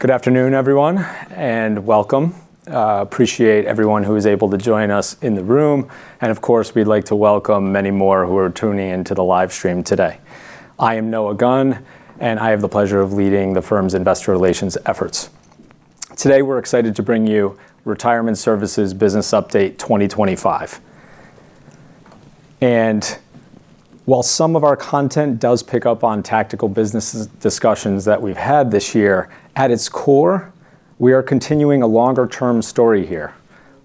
Good afternoon, everyone, and welcome. Appreciate everyone who is able to join us in the room. Of course, we'd like to welcome many more who are tuning into the live stream today. I am Noah Gunn, and I have the pleasure of leading the firm's investor relations efforts. Today, we're excited to bring you Retirement Services Business Update 2025. While some of our content does pick up on tactical business discussions that we've had this year, at its core, we are continuing a longer-term story here,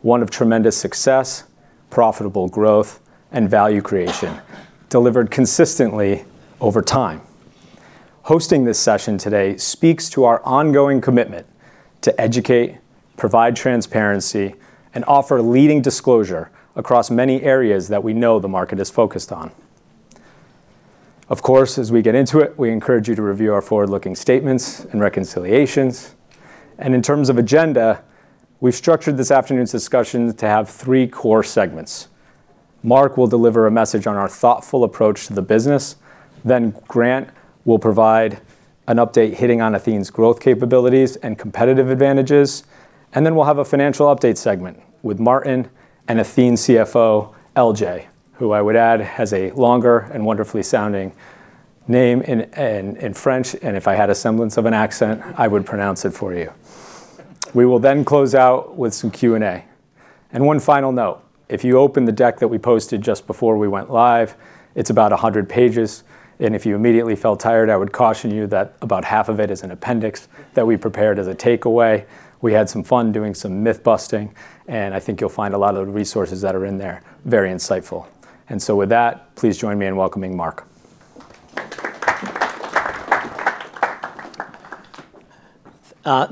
one of tremendous success, profitable growth, and value creation delivered consistently over time. Hosting this session today speaks to our ongoing commitment to educate, provide transparency, and offer leading disclosure across many areas that we know the market is focused on. Of course, as we get into it, we encourage you to review our forward-looking statements and reconciliations. In terms of agenda, we have structured this afternoon's discussion to have three core segments. Marc will deliver a message on our thoughtful approach to the business. Grant will provide an update hitting on Athene's growth capabilities and competitive advantages. We will have a financial update segment with Martin and Athene CFO, L.J., who I would add has a longer and wonderfully sounding name in French. If I had a semblance of an accent, I would pronounce it for you. We will then close out with some Q&A. One final note, if you open the deck that we posted just before we went live, it is about 100 pages. If you immediately felt tired, I would caution you that about half of it is an appendix that we prepared as a takeaway. We had some fun doing some myth-busting, and I think you'll find a lot of the resources that are in there very insightful. With that, please join me in welcoming Marc.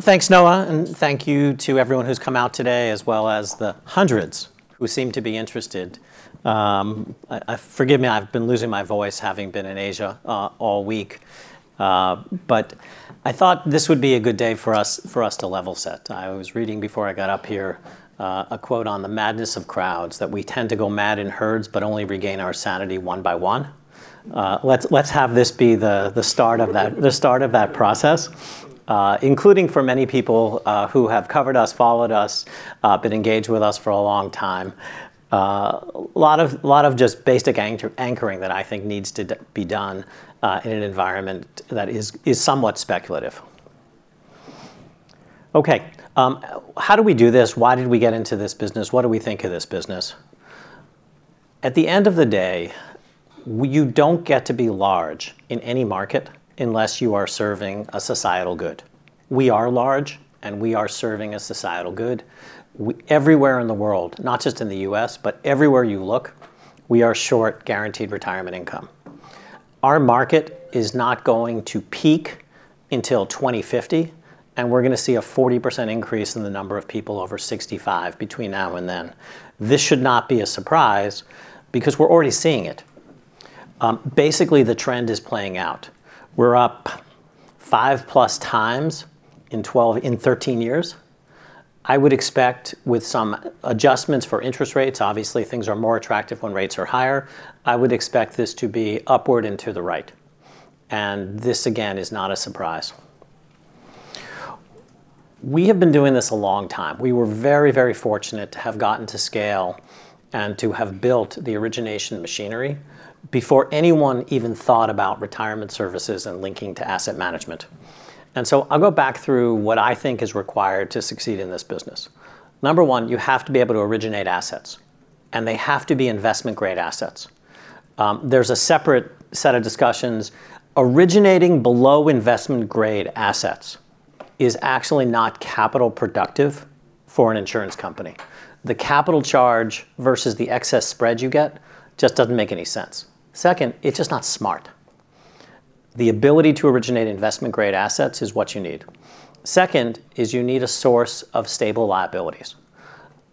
Thanks, Noah, and thank you to everyone who's come out today, as well as the hundreds who seem to be interested. Forgive me, I've been losing my voice having been in Asia all week. I thought this would be a good day for us to level set. I was reading before I got up here a quote on the madness of crowds that we tend to go mad in herds, but only regain our sanity one by one. Let's have this be the start of that process, including for many people who have covered us, followed us, been engaged with us for a long time. A lot of just basic anchoring that I think needs to be done in an environment that is somewhat speculative. Okay, how do we do this? Why did we get into this business? What do we think of this business? At the end of the day, you do not get to be large in any market unless you are serving a societal good. We are large, and we are serving a societal good. Everywhere in the world, not just in the U.S., but everywhere you look, we are short guaranteed retirement income. Our market is not going to peak until 2050, and we are going to see a 40% increase in the number of people over 65 between now and then. This should not be a surprise because we are already seeing it. Basically, the trend is playing out. We are up five plus times in 13 years. I would expect with some adjustments for interest rates, obviously things are more attractive when rates are higher. I would expect this to be upward and to the right. This, again, is not a surprise. We have been doing this a long time. We were very, very fortunate to have gotten to scale and to have built the origination machinery before anyone even thought about retirement services and linking to asset management. I'll go back through what I think is required to succeed in this business. Number one, you have to be able to originate assets, and they have to be investment-grade assets. There is a separate set of discussions. Originating below investment-grade assets is actually not capital productive for an insurance company. The capital charge versus the excess spread you get just does not make any sense. Second, it is just not smart. The ability to originate investment-grade assets is what you need. Second is you need a source of stable liabilities.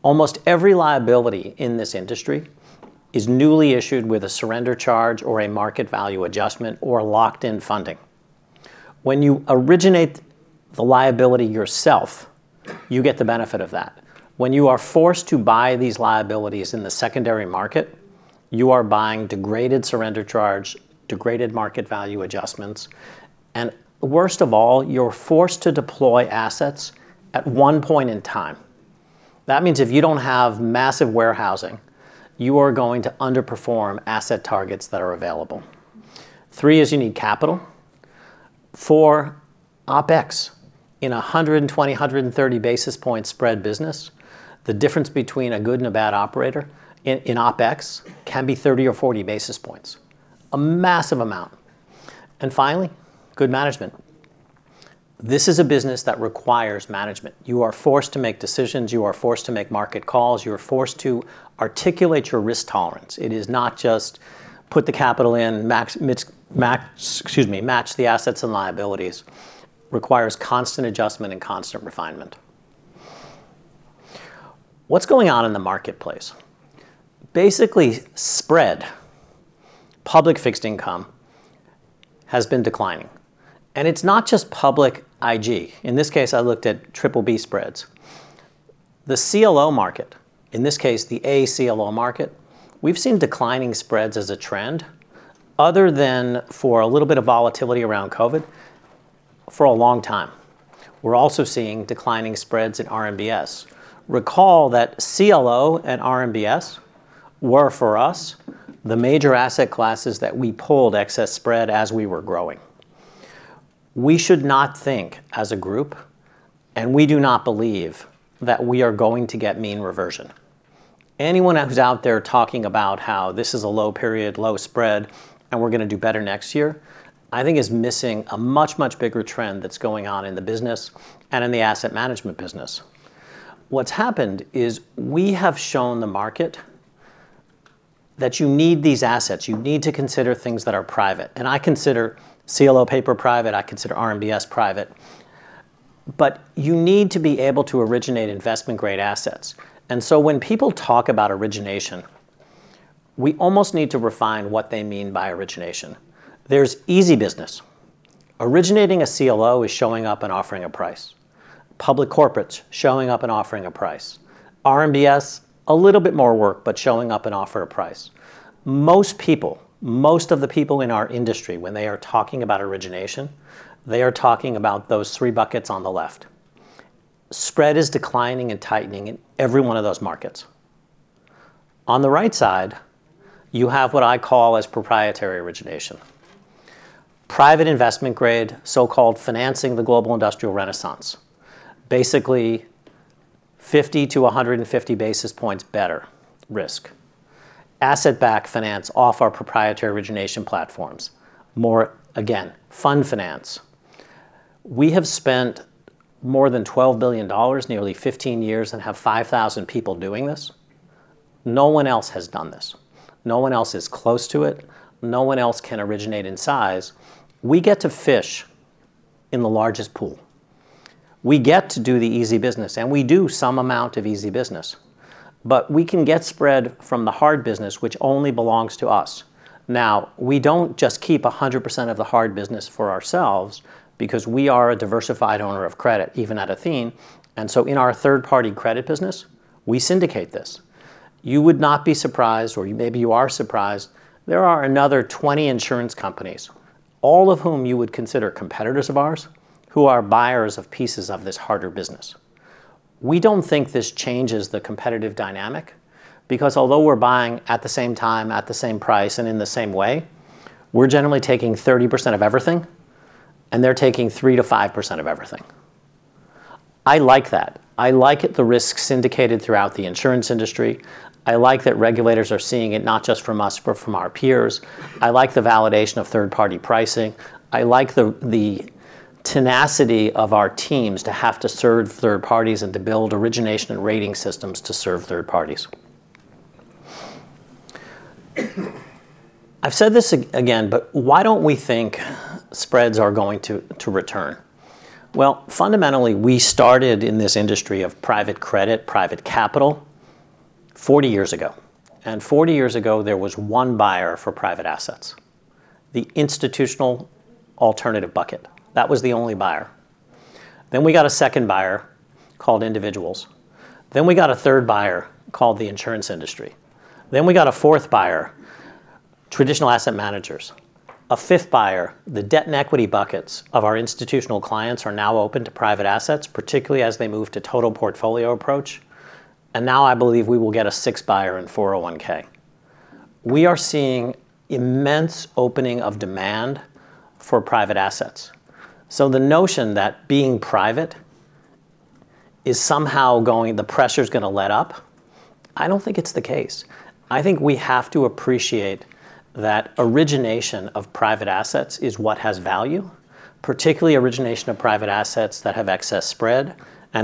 Almost every liability in this industry is newly issued with a surrender charge or a market value adjustment or locked-in funding. When you originate the liability yourself, you get the benefit of that. When you are forced to buy these liabilities in the secondary market, you are buying degraded surrender charge, degraded market value adjustments, and worst of all, you are forced to deploy assets at one point in time. That means if you do not have massive warehousing, you are going to underperform asset targets that are available. Three is you need capital. Four, OPEX. In a 120-130 basis point spread business, the difference between a good and a bad operator in OPEX can be 30 or 40 basis points. A massive amount. Finally, good management. This is a business that requires management. You are forced to make decisions. You are forced to make market calls. You are forced to articulate your risk tolerance. It is not just put the capital in, match the assets and liabilities. Requires constant adjustment and constant refinement. What's going on in the marketplace? Basically, spread, public fixed income has been declining. It's not just public IG. In this case, I looked at BBB spreads. The CLO market, in this case, the ACLO market, we've seen declining spreads as a trend other than for a little bit of volatility around COVID for a long time. We're also seeing declining spreads in RMBS. Recall that CLO and RMBS were for us the major asset classes that we pulled excess spread as we were growing. We should not think as a group, and we do not believe that we are going to get mean reversion. Anyone who's out there talking about how this is a low period, low spread, and we're going to do better next year, I think is missing a much, much bigger trend that's going on in the business and in the asset management business. What's happened is we have shown the market that you need these assets. You need to consider things that are private. And I consider CLO paper private. I consider RMBS private. You need to be able to originate investment-grade assets. When people talk about origination, we almost need to refine what they mean by origination. There's easy business. Originating a CLO is showing up and offering a price. Public corporates showing up and offering a price. RMBS, a little bit more work, but showing up and offer a price. Most people, most of the people in our industry, when they are talking about origination, they are talking about those three buckets on the left. Spread is declining and tightening in every one of those markets. On the right side, you have what I call as proprietary origination. Private investment grade, so-called financing the global industrial renaissance. Basically, 50-150 basis points better risk. Asset-backed finance off our proprietary origination platforms. More, again, fund finance. We have spent more than $12 billion, nearly 15 years, and have 5,000 people doing this. No one else has done this. No one else is close to it. No one else can originate in size. We get to fish in the largest pool. We get to do the easy business, and we do some amount of easy business. We can get spread from the hard business, which only belongs to us. Now, we do not just keep 100% of the hard business for ourselves because we are a diversified owner of credit, even at Athene. In our third-party credit business, we syndicate this. You would not be surprised, or maybe you are surprised, there are another 20 insurance companies, all of whom you would consider competitors of ours, who are buyers of pieces of this harder business. We do not think this changes the competitive dynamic because although we are buying at the same time, at the same price, and in the same way, we are generally taking 30% of everything, and they are taking 3-5% of everything. I like that. I like the risks syndicated throughout the insurance industry. I like that regulators are seeing it not just from us, but from our peers. I like the validation of third-party pricing. I like the tenacity of our teams to have to serve third parties and to build origination and rating systems to serve third parties. I've said this again, but why don't we think spreads are going to return? Fundamentally, we started in this industry of private credit, private capital 40 years ago. Forty years ago, there was one buyer for private assets, the institutional alternative bucket. That was the only buyer. Then we got a second buyer called individuals. Then we got a third buyer called the insurance industry. Then we got a fourth buyer, traditional asset managers. A fifth buyer, the debt and equity buckets of our institutional clients are now open to private assets, particularly as they move to total portfolio approach. Now I believe we will get a sixth buyer in 401(k). We are seeing immense opening of demand for private assets. The notion that being private is somehow going, the pressure is going to let up, I do not think it is the case. I think we have to appreciate that origination of private assets is what has value, particularly origination of private assets that have excess spread.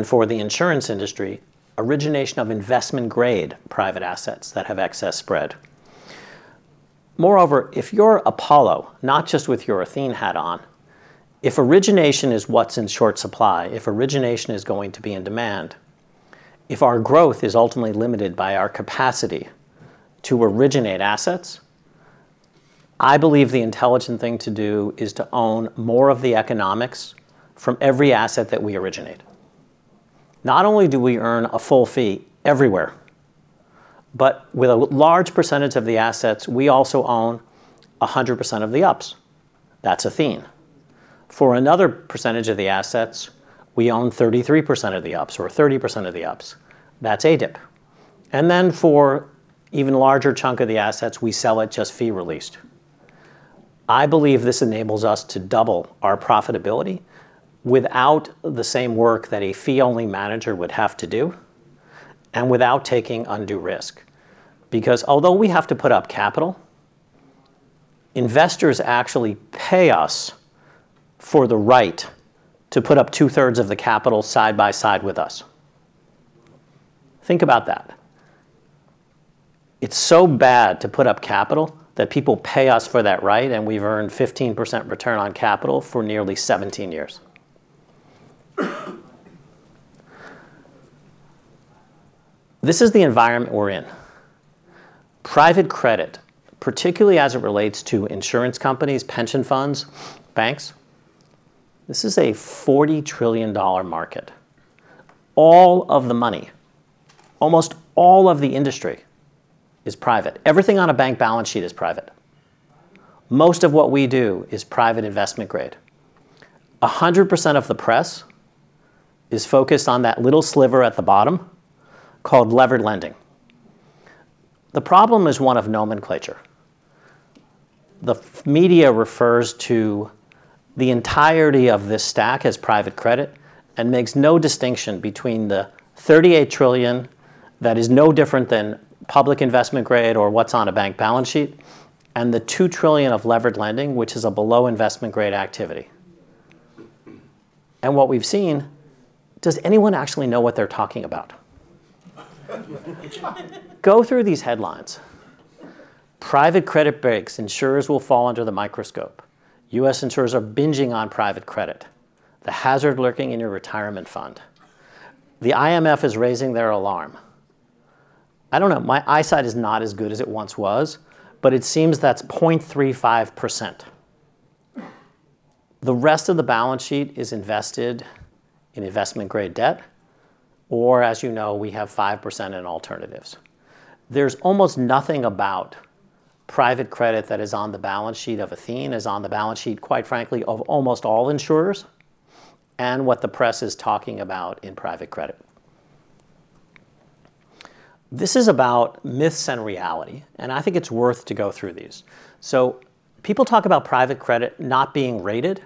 For the insurance industry, origination of investment-grade private assets that have excess spread. Moreover, if you are Apollo, not just with your Athene hat on, if origination is what is in short supply, if origination is going to be in demand, if our growth is ultimately limited by our capacity to originate assets, I believe the intelligent thing to do is to own more of the economics from every asset that we originate. Not only do we earn a full fee everywhere, but with a large percentage of the assets, we also own 100% of the ups. That is Athene. For another percentage of the assets, we own 33% of the ups or 30% of the ups. That's ADIP. For an even larger chunk of the assets, we sell it just fee released. I believe this enables us to double our profitability without the same work that a fee-only manager would have to do and without taking undue risk. Because although we have to put up capital, investors actually pay us for the right to put up two-thirds of the capital side by side with us. Think about that. It's so bad to put up capital that people pay us for that right, and we've earned 15% return on capital for nearly 17 years. This is the environment we're in. Private credit, particularly as it relates to insurance companies, pension funds, banks, this is a $40 trillion market. All of the money, almost all of the industry is private. Everything on a bank balance sheet is private. Most of what we do is private investment grade. 100% of the press is focused on that little sliver at the bottom called levered lending. The problem is one of nomenclature. The media refers to the entirety of this stack as private credit and makes no distinction between the $38 trillion that is no different than public investment grade or what's on a bank balance sheet and the $2 trillion of levered lending, which is a below investment grade activity. What we've seen, does anyone actually know what they're talking about? Go through these headlines. Private credit breaks. Insurers will fall under the microscope. US insurers are binging on private credit. The hazard lurking in your retirement fund. The IMF is raising their alarm. I don't know. My eyesight is not as good as it once was, but it seems that's 0.35%. The rest of the balance sheet is invested in investment-grade debt, or as you know, we have 5% in alternatives. There's almost nothing about private credit that is on the balance sheet of Athene, is on the balance sheet, quite frankly, of almost all insurers and what the press is talking about in private credit. This is about myths and reality, and I think it's worth to go through these. People talk about private credit not being rated.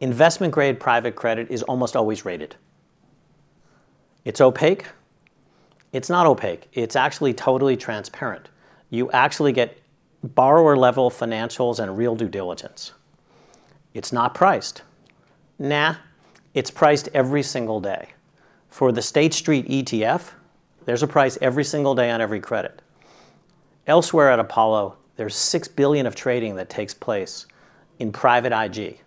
Investment-grade private credit is almost always rated. It's opaque. It's not opaque. It's actually totally transparent. You actually get borrower-level financials and real due diligence. It's not priced. Nah, it's priced every single day. For the State Street ETF, there's a price every single day on every credit. Elsewhere at Apollo, there's $6 billion of trading that takes place in private IG.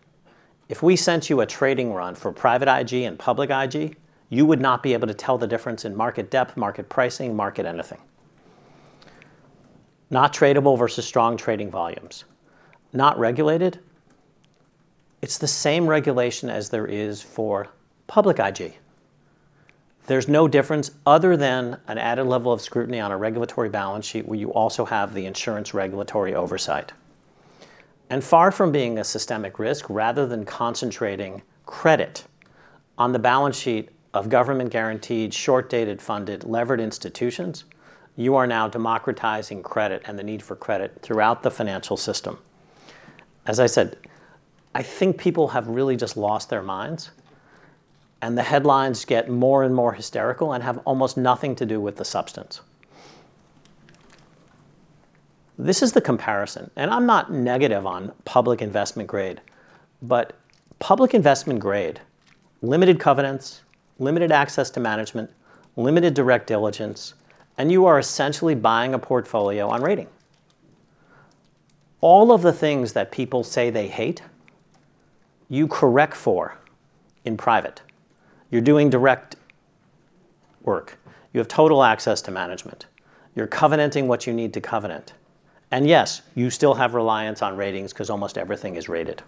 If we sent you a trading run for private IG and public IG, you would not be able to tell the difference in market depth, market pricing, market anything. Not tradable versus strong trading volumes. Not regulated. It's the same regulation as there is for public IG. There's no difference other than an added level of scrutiny on a regulatory balance sheet where you also have the insurance regulatory oversight. Far from being a systemic risk, rather than concentrating credit on the balance sheet of government-guaranteed, short-dated, funded, levered institutions, you are now democratizing credit and the need for credit throughout the financial system. As I said, I think people have really just lost their minds, and the headlines get more and more hysterical and have almost nothing to do with the substance. This is the comparison. I'm not negative on public investment grade, but public investment grade, limited covenants, limited access to management, limited direct diligence, and you are essentially buying a portfolio on rating. All of the things that people say they hate, you correct for in private. You're doing direct work. You have total access to management. You're covenanting what you need to covenant. Yes, you still have reliance on ratings because almost everything is rated.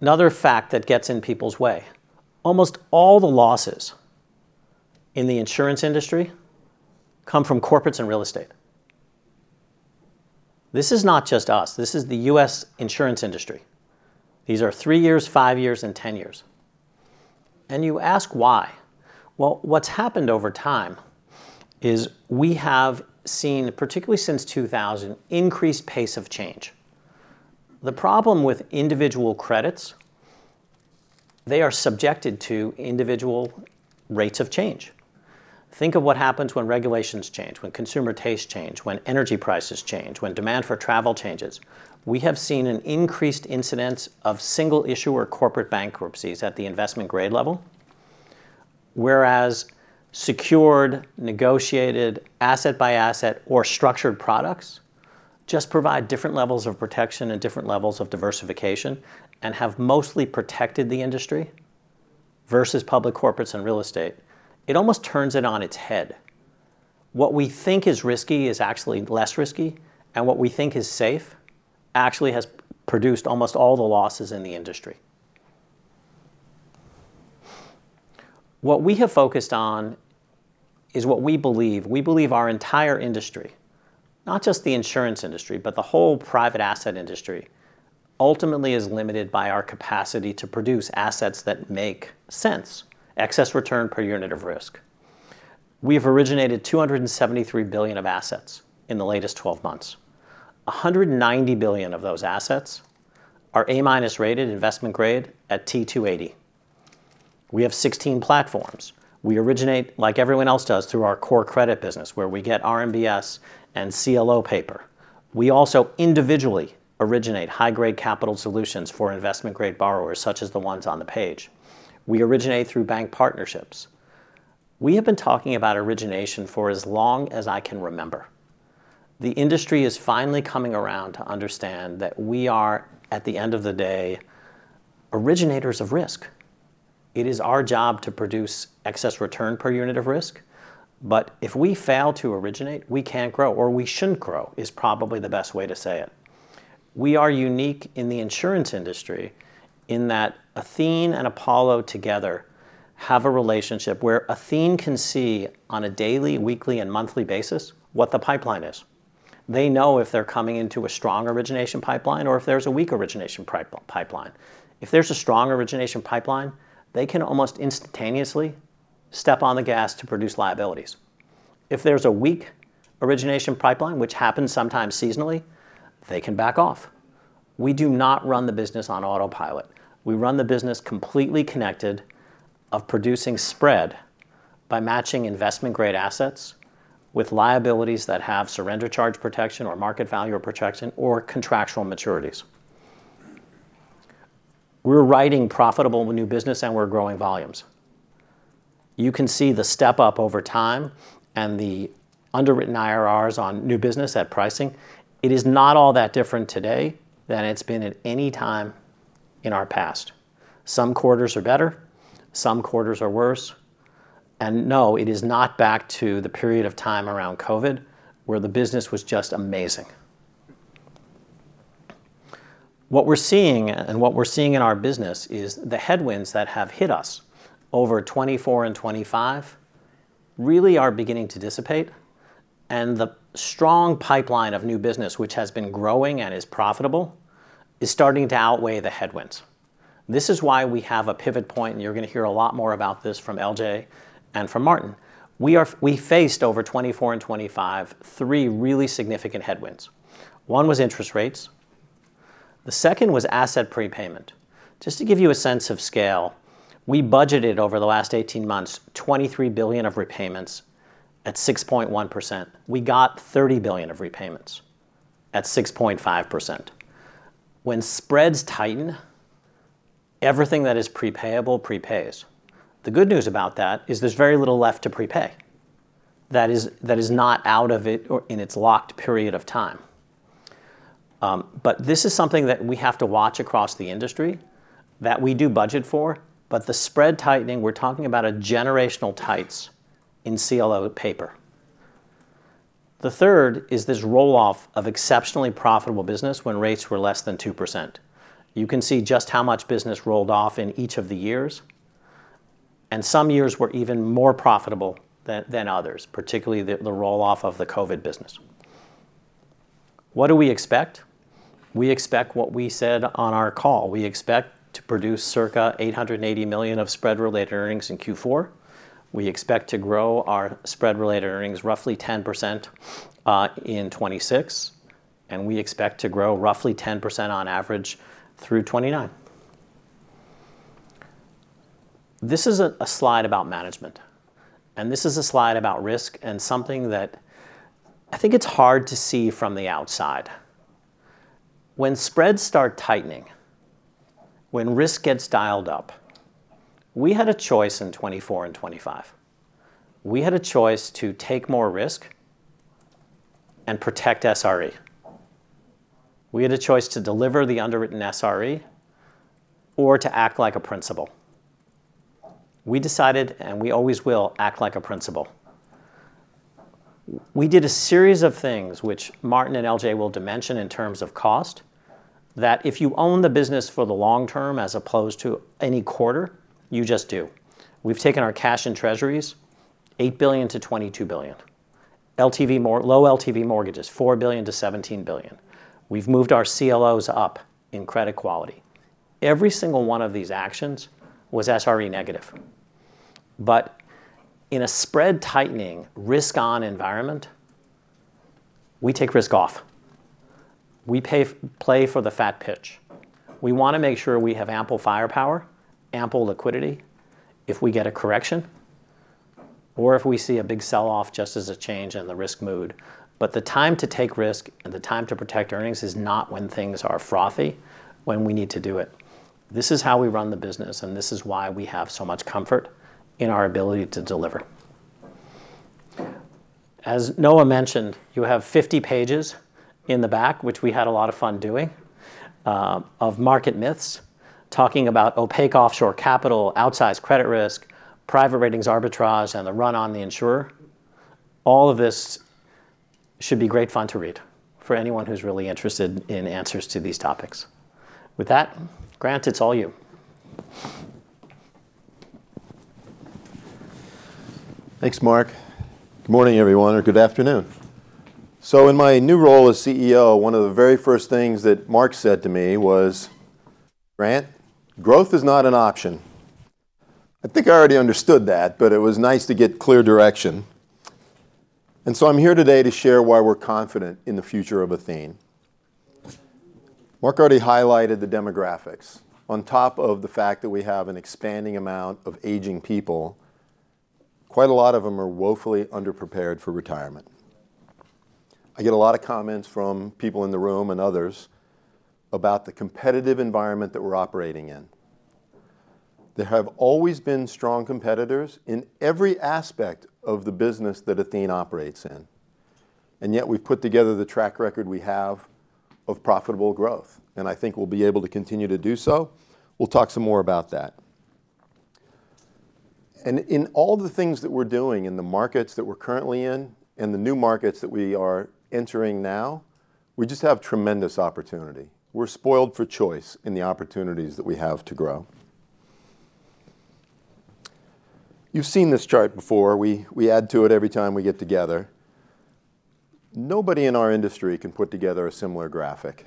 Another fact that gets in people's way. Almost all the losses in the insurance industry come from corporates and real estate. This is not just us. This is the U.S. insurance industry. These are three years, five years, and ten years. You ask why. What's happened over time is we have seen, particularly since 2000, increased pace of change. The problem with individual credits, they are subjected to individual rates of change. Think of what happens when regulations change, when consumer tastes change, when energy prices change, when demand for travel changes. We have seen an increased incidence of single-issuer corporate bankruptcies at the investment-grade level, whereas secured, negotiated, asset-by-asset, or structured products just provide different levels of protection and different levels of diversification and have mostly protected the industry versus public corporates and real estate. It almost turns it on its head. What we think is risky is actually less risky, and what we think is safe actually has produced almost all the losses in the industry. What we have focused on is what we believe. We believe our entire industry, not just the insurance industry, but the whole private asset industry, ultimately is limited by our capacity to produce assets that make sense, excess return per unit of risk. We have originated $273 billion of assets in the latest 12 months. $190 billion of those assets are A-rated investment grade at T280. We have 16 platforms. We originate, like everyone else does, through our core credit business, where we get RMBS and CLO paper. We also individually originate high-grade capital solutions for investment-grade borrowers, such as the ones on the page. We originate through bank partnerships. We have been talking about origination for as long as I can remember. The industry is finally coming around to understand that we are, at the end of the day, originators of risk. It is our job to produce excess return per unit of risk, but if we fail to originate, we can't grow, or we shouldn't grow is probably the best way to say it. We are unique in the insurance industry in that Athene and Apollo together have a relationship where Athene can see on a daily, weekly, and monthly basis what the pipeline is. They know if they're coming into a strong origination pipeline or if there's a weak origination pipeline. If there's a strong origination pipeline, they can almost instantaneously step on the gas to produce liabilities. If there's a weak origination pipeline, which happens sometimes seasonally, they can back off. We do not run the business on autopilot. We run the business completely connected of producing spread by matching investment-grade assets with liabilities that have surrender charge protection or market value or protection or contractual maturities. We're writing profitable new business, and we're growing volumes. You can see the step up over time and the underwritten IRRs on new business at pricing. It is not all that different today than it's been at any time in our past. Some quarters are better. Some quarters are worse. No, it is not back to the period of time around COVID where the business was just amazing. What we're seeing and what we're seeing in our business is the headwinds that have hit us over 2024 and 2025 really are beginning to dissipate, and the strong pipeline of new business, which has been growing and is profitable, is starting to outweigh the headwinds. This is why we have a pivot point, and you're going to hear a lot more about this from L.J. and from Martin. We faced over 2024 and 2025 three really significant headwinds. One was interest rates. The second was asset prepayment. Just to give you a sense of scale, we budgeted over the last 18 months $23 billion of repayments at 6.1%. We got $30 billion of repayments at 6.5%. When spreads tighten, everything that is prepayable prepays. The good news about that is there's very little left to prepay that is not out of it or in its locked period of time. This is something that we have to watch across the industry that we do budget for, but the spread tightening, we're talking about a generational tights in CLO paper. The third is this roll-off of exceptionally profitable business when rates were less than 2%. You can see just how much business rolled off in each of the years, and some years were even more profitable than others, particularly the roll-off of the COVID business. What do we expect? We expect what we said on our call. We expect to produce circa $880 million of spread-related earnings in Q4. We expect to grow our spread-related earnings roughly 10% in 2026, and we expect to grow roughly 10% on average through 2029. This is a slide about management, and this is a slide about risk and something that I think it's hard to see from the outside. When spreads start tightening, when risk gets dialed up, we had a choice in 2024 and 2025. We had a choice to take more risk and protect SRE. We had a choice to deliver the underwritten SRE or to act like a principal. We decided, and we always will, act like a principal. We did a series of things, which Martin and L.J. will dimension in terms of cost, that if you own the business for the long term as opposed to any quarter, you just do. We have taken our cash and treasuries, $8 billion to $22 billion. LTV, low LTV mortgages, $4 billion-$17 billion. We have moved our CLOs up in credit quality. Every single one of these actions was SRE negative. In a spread tightening, risk-on environment, we take risk off. We play for the fat pitch. We want to make sure we have ample firepower, ample liquidity if we get a correction, or if we see a big sell-off just as a change in the risk mood. The time to take risk and the time to protect earnings is not when things are frothy, when we need to do it. This is how we run the business, and this is why we have so much comfort in our ability to deliver. As Noah mentioned, you have 50 pages in the back, which we had a lot of fun doing, of market myths talking about opaque offshore capital, outsized credit risk, private ratings arbitrage, and the run on the insurer. All of this should be great fun to read for anyone who's really interested in answers to these topics. With that, Grant, it's all you. Thanks, Marc. Good morning, everyone, or good afternoon. In my new role as CEO, one of the very first things that Marc said to me was, "Grant. Growth is not an option." I think I already understood that, but it was nice to get clear direction. I am here today to share why we're confident in the future of Athene. Marc already highlighted the demographics. On top of the fact that we have an expanding amount of aging people, quite a lot of them are woefully underprepared for retirement. I get a lot of comments from people in the room and others about the competitive environment that we're operating in. There have always been strong competitors in every aspect of the business that Athene operates in, and yet we've put together the track record we have of profitable growth, and I think we'll be able to continue to do so. We'll talk some more about that. In all the things that we're doing in the markets that we're currently in and the new markets that we are entering now, we just have tremendous opportunity. We're spoiled for choice in the opportunities that we have to grow. You've seen this chart before. We add to it every time we get together. Nobody in our industry can put together a similar graphic.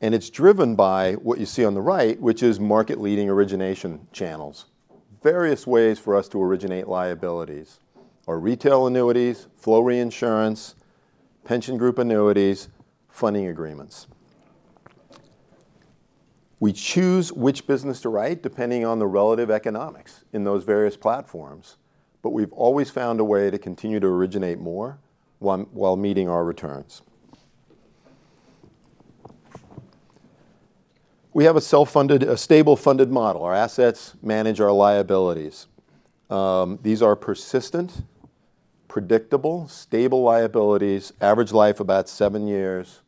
It is driven by what you see on the right, which is market-leading origination channels. Various ways for us to originate liabilities are retail annuities, floor insurance, pension group annuities, funding agreements. We choose which business to write depending on the relative economics in those various platforms, but we have always found a way to continue to originate more while meeting our returns. We have a self-funded, a stable-funded model. Our assets manage our liabilities. These are persistent, predictable, stable liabilities, average life about seven years,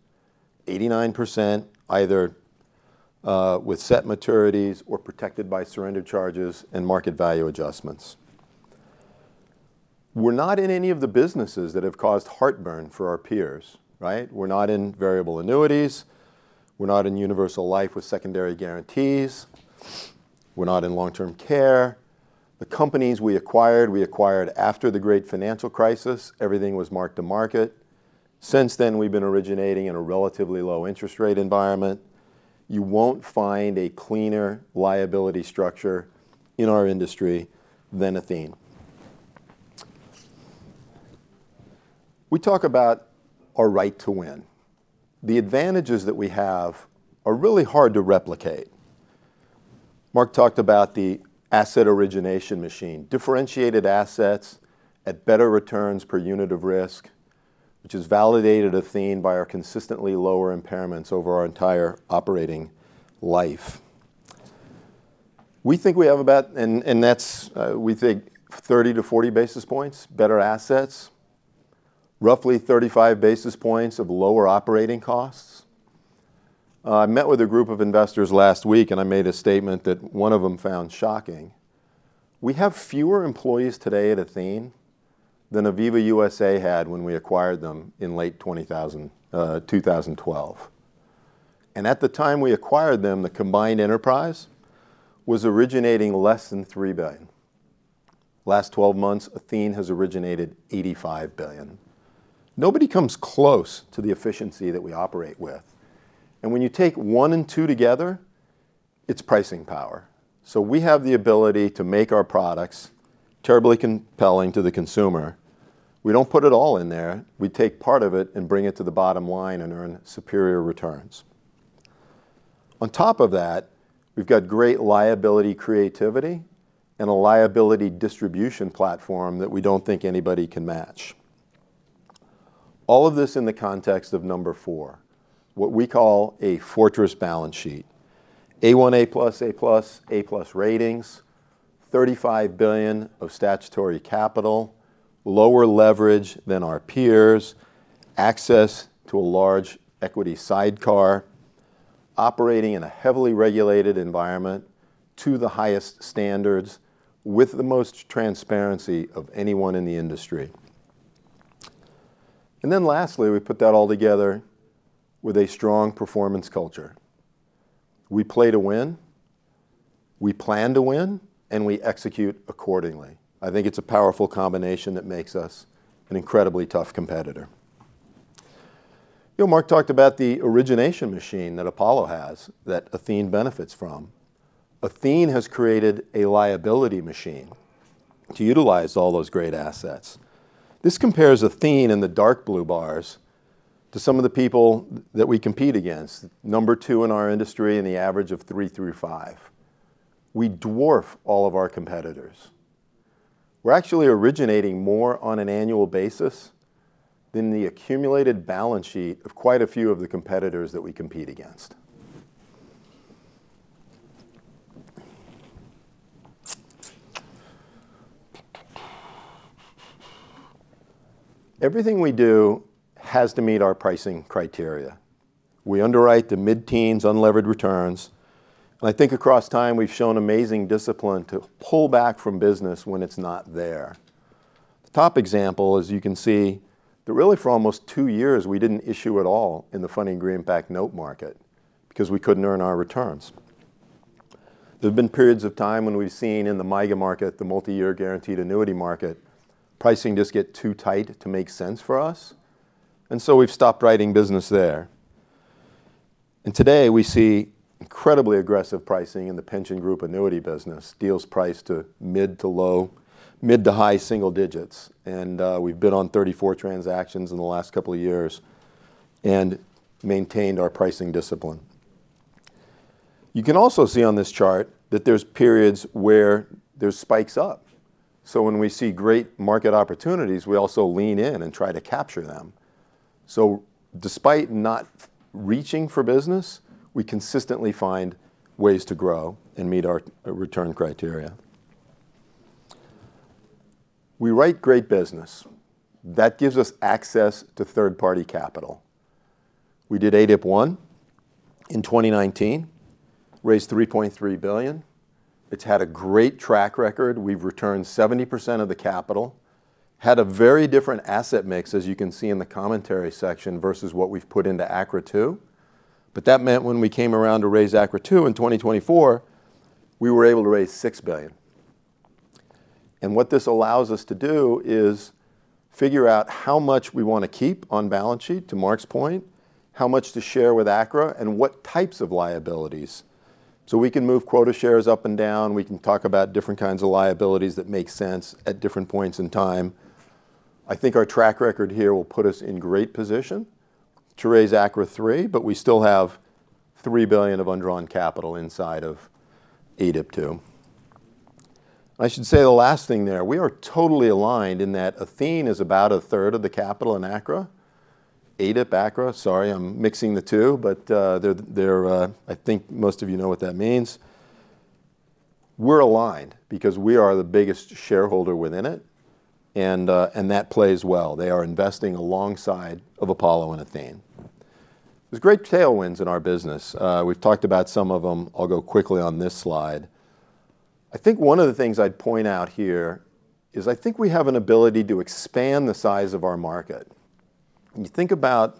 89% either with set maturities or protected by surrender charges and market value adjustments. We are not in any of the businesses that have caused heartburn for our peers, right? We are not in variable annuities. We are not in universal life with secondary guarantees. We're not in long-term care. The companies we acquired, we acquired after the great financial crisis. Everything was marked to market. Since then, we've been originating in a relatively low interest rate environment. You won't find a cleaner liability structure in our industry than Athene. We talk about our right to win. The advantages that we have are really hard to replicate. Marc talked about the asset origination machine, differentiated assets at better returns per unit of risk, which is validated at Athene by our consistently lower impairments over our entire operating life. We think we have about, and that's we think 30-40 basis points better assets, roughly 35 basis points of lower operating costs. I met with a group of investors last week, and I made a statement that one of them found shocking. We have fewer employees today at Athene than Aviva USA had when we acquired them in late 2012. At the time we acquired them, the combined enterprise was originating less than $3 billion. In the last 12 months, Athene has originated $85 billion. Nobody comes close to the efficiency that we operate with. When you take one and two together, it is pricing power. We have the ability to make our products terribly compelling to the consumer. We do not put it all in there. We take part of it and bring it to the bottom line and earn superior returns. On top of that, we have great liability creativity and a liability distribution platform that we do not think anybody can match. All of this in the context of number four, what we call a fortress balance sheet, A1, A-plus, A-plus, A-plus ratings, $35 billion of statutory capital, lower leverage than our peers, access to a large equity sidecar, operating in a heavily regulated environment to the highest standards with the most transparency of anyone in the industry. Lastly, we put that all together with a strong performance culture. We play to win. We plan to win, and we execute accordingly. I think it's a powerful combination that makes us an incredibly tough competitor. Marc talked about the origination machine that Apollo has that Athene benefits from. Athene has created a liability machine to utilize all those great assets. This compares Athene and the dark blue bars to some of the people that we compete against, number two in our industry in the average of three through five. We dwarf all of our competitors. We're actually originating more on an annual basis than the accumulated balance sheet of quite a few of the competitors that we compete against. Everything we do has to meet our pricing criteria. We underwrite the mid-teens, unlevered returns. I think across time, we've shown amazing discipline to pull back from business when it's not there. The top example is you can see that really for almost two years, we didn't issue at all in the FABN market because we couldn't earn our returns. There have been periods of time when we've seen in the MIGA market, the multi-year guaranteed annuity market, pricing just get too tight to make sense for us. We stopped writing business there. Today, we see incredibly aggressive pricing in the pension group annuity business, deals priced to mid to high single digits. We have been on 34 transactions in the last couple of years and maintained our pricing discipline. You can also see on this chart that there are periods where there are spikes up. When we see great market opportunities, we also lean in and try to capture them. Despite not reaching for business, we consistently find ways to grow and meet our return criteria. We write great business. That gives us access to third-party capital. We did ADIP 1 in 2019, raised $3.3 billion. It has had a great track record. We have returned 70% of the capital, had a very different asset mix, as you can see in the commentary section versus what we have put into ACRA 2. That meant when we came around to raise ACRA 2 in 2024, we were able to raise $6 billion. What this allows us to do is figure out how much we want to keep on balance sheet to Marc's point, how much to share with ACRA, and what types of liabilities. We can move quota shares up and down. We can talk about different kinds of liabilities that make sense at different points in time. I think our track record here will put us in great position to raise ACRA 3, but we still have $3 billion of undrawn capital inside of ADIP 2. I should say the last thing there, we are totally aligned in that Athene is about a third of the capital in ACRA, ADIP, ACRA. Sorry, I'm mixing the two, but I think most of you know what that means. We're aligned because we are the biggest shareholder within it, and that plays well. They are investing alongside of Apollo and Athene. There's great tailwinds in our business. We've talked about some of them. I'll go quickly on this slide. I think one of the things I'd point out here is I think we have an ability to expand the size of our market. When you think about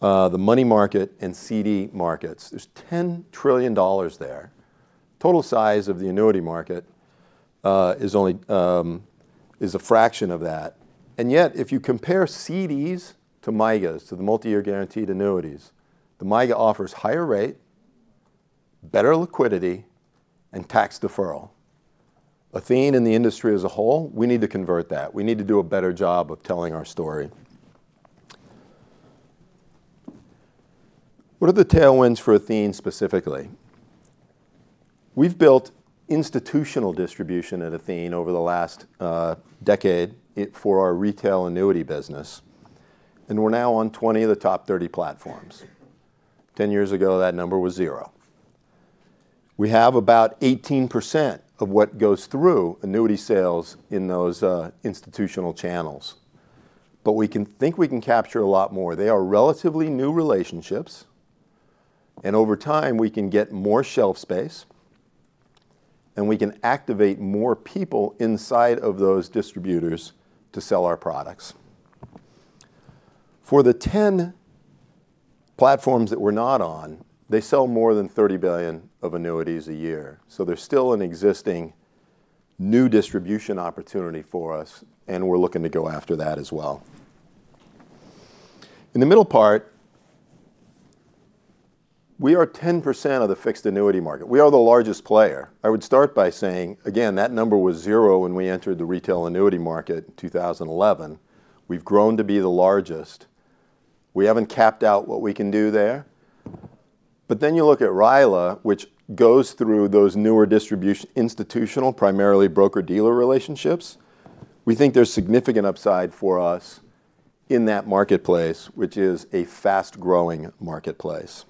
the money market and CD markets, there's $10 trillion there. Total size of the annuity market is a fraction of that. Yet, if you compare CDs to MIGAs, to the multi-year guaranteed annuities, the MIGA offers higher rate, better liquidity, and tax deferral. Athene and the industry as a whole, we need to convert that. We need to do a better job of telling our story. What are the tailwinds for Athene specifically? We've built institutional distribution at Athene over the last decade for our retail annuity business, and we're now on 20 of the top 30 platforms. Ten years ago, that number was zero. We have about 18% of what goes through annuity sales in those institutional channels, but we think we can capture a lot more. They are relatively new relationships, and over time, we can get more shelf space, and we can activate more people inside of those distributors to sell our products. For the 10 platforms that we're not on, they sell more than $30 billion of annuities a year. There is still an existing new distribution opportunity for us, and we're looking to go after that as well. In the middle part, we are 10% of the fixed annuity market. We are the largest player. I would start by saying, again, that number was zero when we entered the retail annuity market in 2011. We have grown to be the largest. We have not capped out what we can do there. You look at RILA, which goes through those newer distribution institutional, primarily broker-dealer relationships. We think there is significant upside for us in that marketplace, which is a fast-growing marketplace.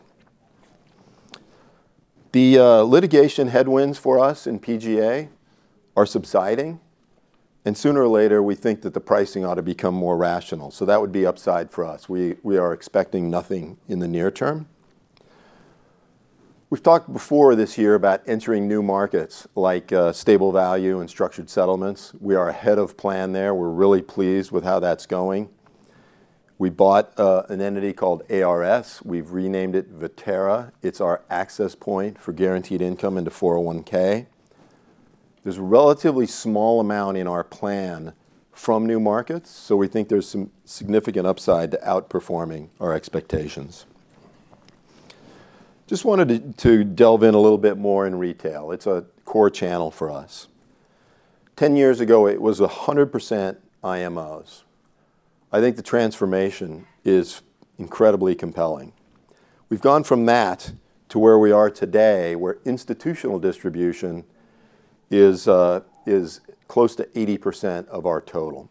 The litigation headwinds for us in PGA are subsiding, and sooner or later, we think that the pricing ought to become more rational. That would be upside for us. We are expecting nothing in the near term. We have talked before this year about entering new markets like stable value and structured settlements. We are ahead of plan there. We are really pleased with how that is going. We bought an entity called ARS. We have renamed it Viterra. It is our access point for guaranteed income into 401(k). There's a relatively small amount in our plan from new markets, so we think there's some significant upside to outperforming our expectations. Just wanted to delve in a little bit more in retail. It's a core channel for us. Ten years ago, it was 100% IMOs. I think the transformation is incredibly compelling. We've gone from that to where we are today, where institutional distribution is close to 80% of our total.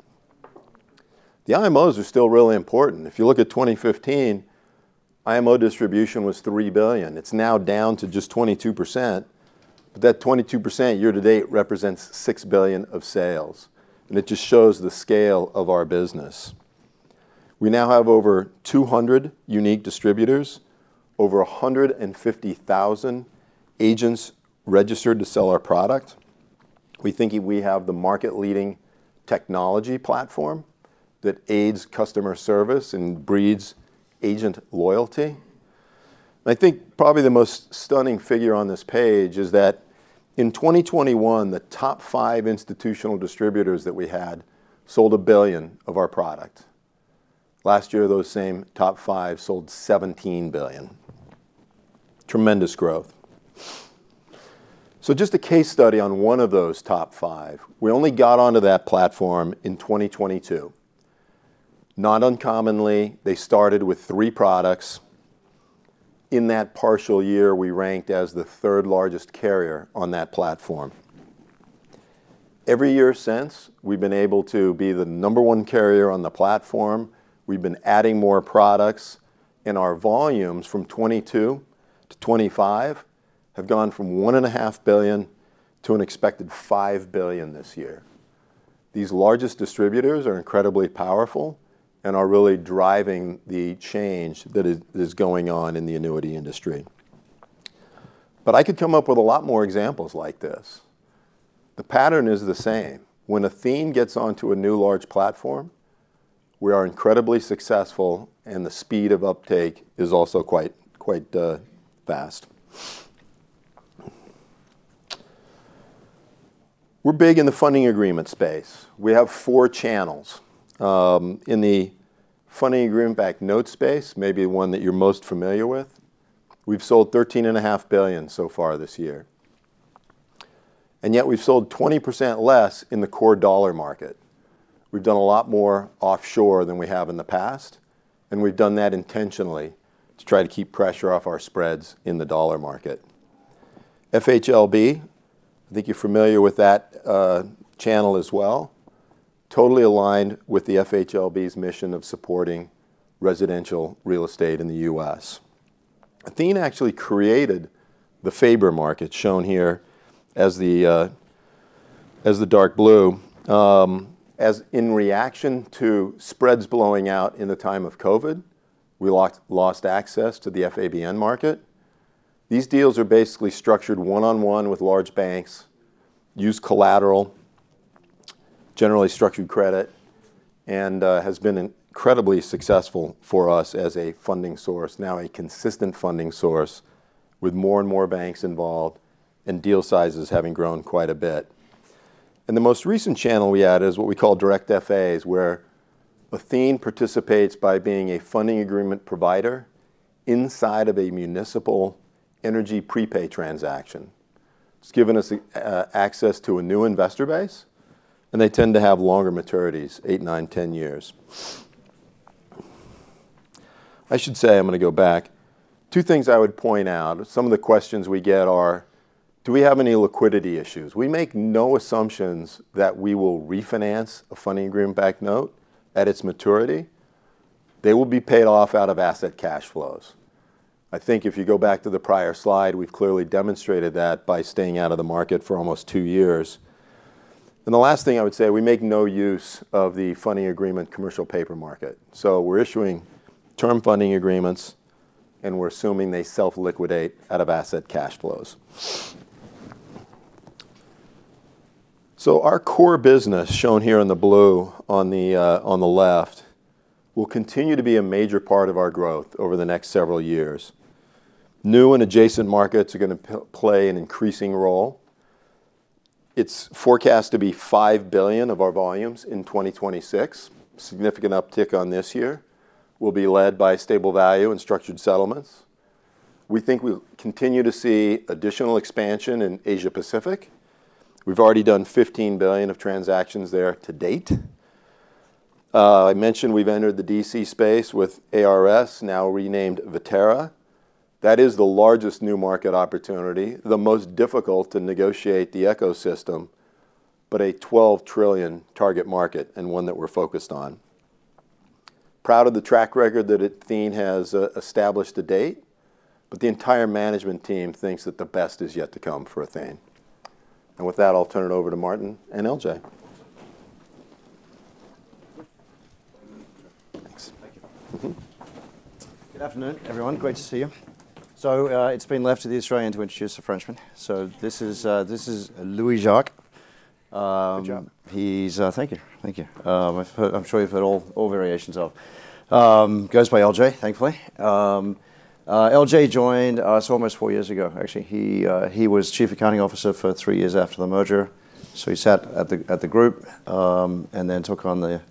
The IMOs are still really important. If you look at 2015, IMO distribution was $3 billion. It's now down to just 22%, but that 22% year to date represents $6 billion of sales. It just shows the scale of our business. We now have over 200 unique distributors, over 150,000 agents registered to sell our product. We think we have the market-leading technology platform that aids customer service and breeds agent loyalty. I think probably the most stunning figure on this page is that in 2021, the top five institutional distributors that we had sold $1 billion of our product. Last year, those same top five sold $17 billion. Tremendous growth. Just a case study on one of those top five. We only got onto that platform in 2022. Not uncommonly, they started with three products. In that partial year, we ranked as the third largest carrier on that platform. Every year since, we've been able to be the number one carrier on the platform. We've been adding more products, and our volumes from 2022-2025 have gone from $1.5 billion to an expected $5 billion this year. These largest distributors are incredibly powerful and are really driving the change that is going on in the annuity industry. I could come up with a lot more examples like this. The pattern is the same. When Athene gets onto a new large platform, we are incredibly successful, and the speed of uptake is also quite fast. We're big in the funding agreement space. We have four channels. In the funding agreement back note space, maybe one that you're most familiar with, we've sold $13.5 billion so far this year. Yet, we've sold 20% less in the core dollar market. We've done a lot more offshore than we have in the past, and we've done that intentionally to try to keep pressure off our spreads in the dollar market. FHLB, I think you're familiar with that channel as well. Totally aligned with the FHLB's mission of supporting residential real estate in the U.S. Athene actually created the Faber market shown here as the dark blue. As in reaction to spreads blowing out in the time of COVID, we lost access to the FABN market. These deals are basically structured one-on-one with large banks, use collateral, generally structured credit, and have been incredibly successful for us as a funding source, now a consistent funding source with more and more banks involved and deal sizes having grown quite a bit. The most recent channel we add is what we call direct FAs, where Athene participates by being a funding agreement provider inside of a municipal energy prepay transaction. It has given us access to a new investor base, and they tend to have longer maturities, eight, nine, 10 years. I should say I am going to go back. Two things I would point out. Some of the questions we get are, do we have any liquidity issues? We make no assumptions that we will refinance a funding agreement back note at its maturity. They will be paid off out of asset cash flows. I think if you go back to the prior slide, we've clearly demonstrated that by staying out of the market for almost two years. The last thing I would say, we make no use of the funding agreement commercial paper market. We are issuing term funding agreements, and we are assuming they self-liquidate out of asset cash flows. Our core business shown here in the blue on the left will continue to be a major part of our growth over the next several years. New and adjacent markets are going to play an increasing role. It is forecast to be $5 billion of our volumes in 2026. Significant uptick on this year will be led by stable value and structured settlements. We think we'll continue to see additional expansion in Asia-Pacific. We've already done $15 billion of transactions there to date. I mentioned we've entered the DC space with ARS, now renamed Viterra. That is the largest new market opportunity, the most difficult to negotiate the ecosystem, but a $12 trillion target market and one that we're focused on. Proud of the track record that Athene has established to date, but the entire management team thinks that the best is yet to come for Athene. With that, I'll turn it over to Martin and L.J. Thanks. Good afternoon, everyone. Great to see you. It's been left to the Australian to introduce the Frenchman. This is Louis-Jacques. Thank you. Thank you. I'm sure you've heard all variations of. Goes by L.J., thankfully. L.J. joined, I saw him almost four years ago. Actually, he was Chief Accounting Officer for three years after the merger. He sat at the group and then took on the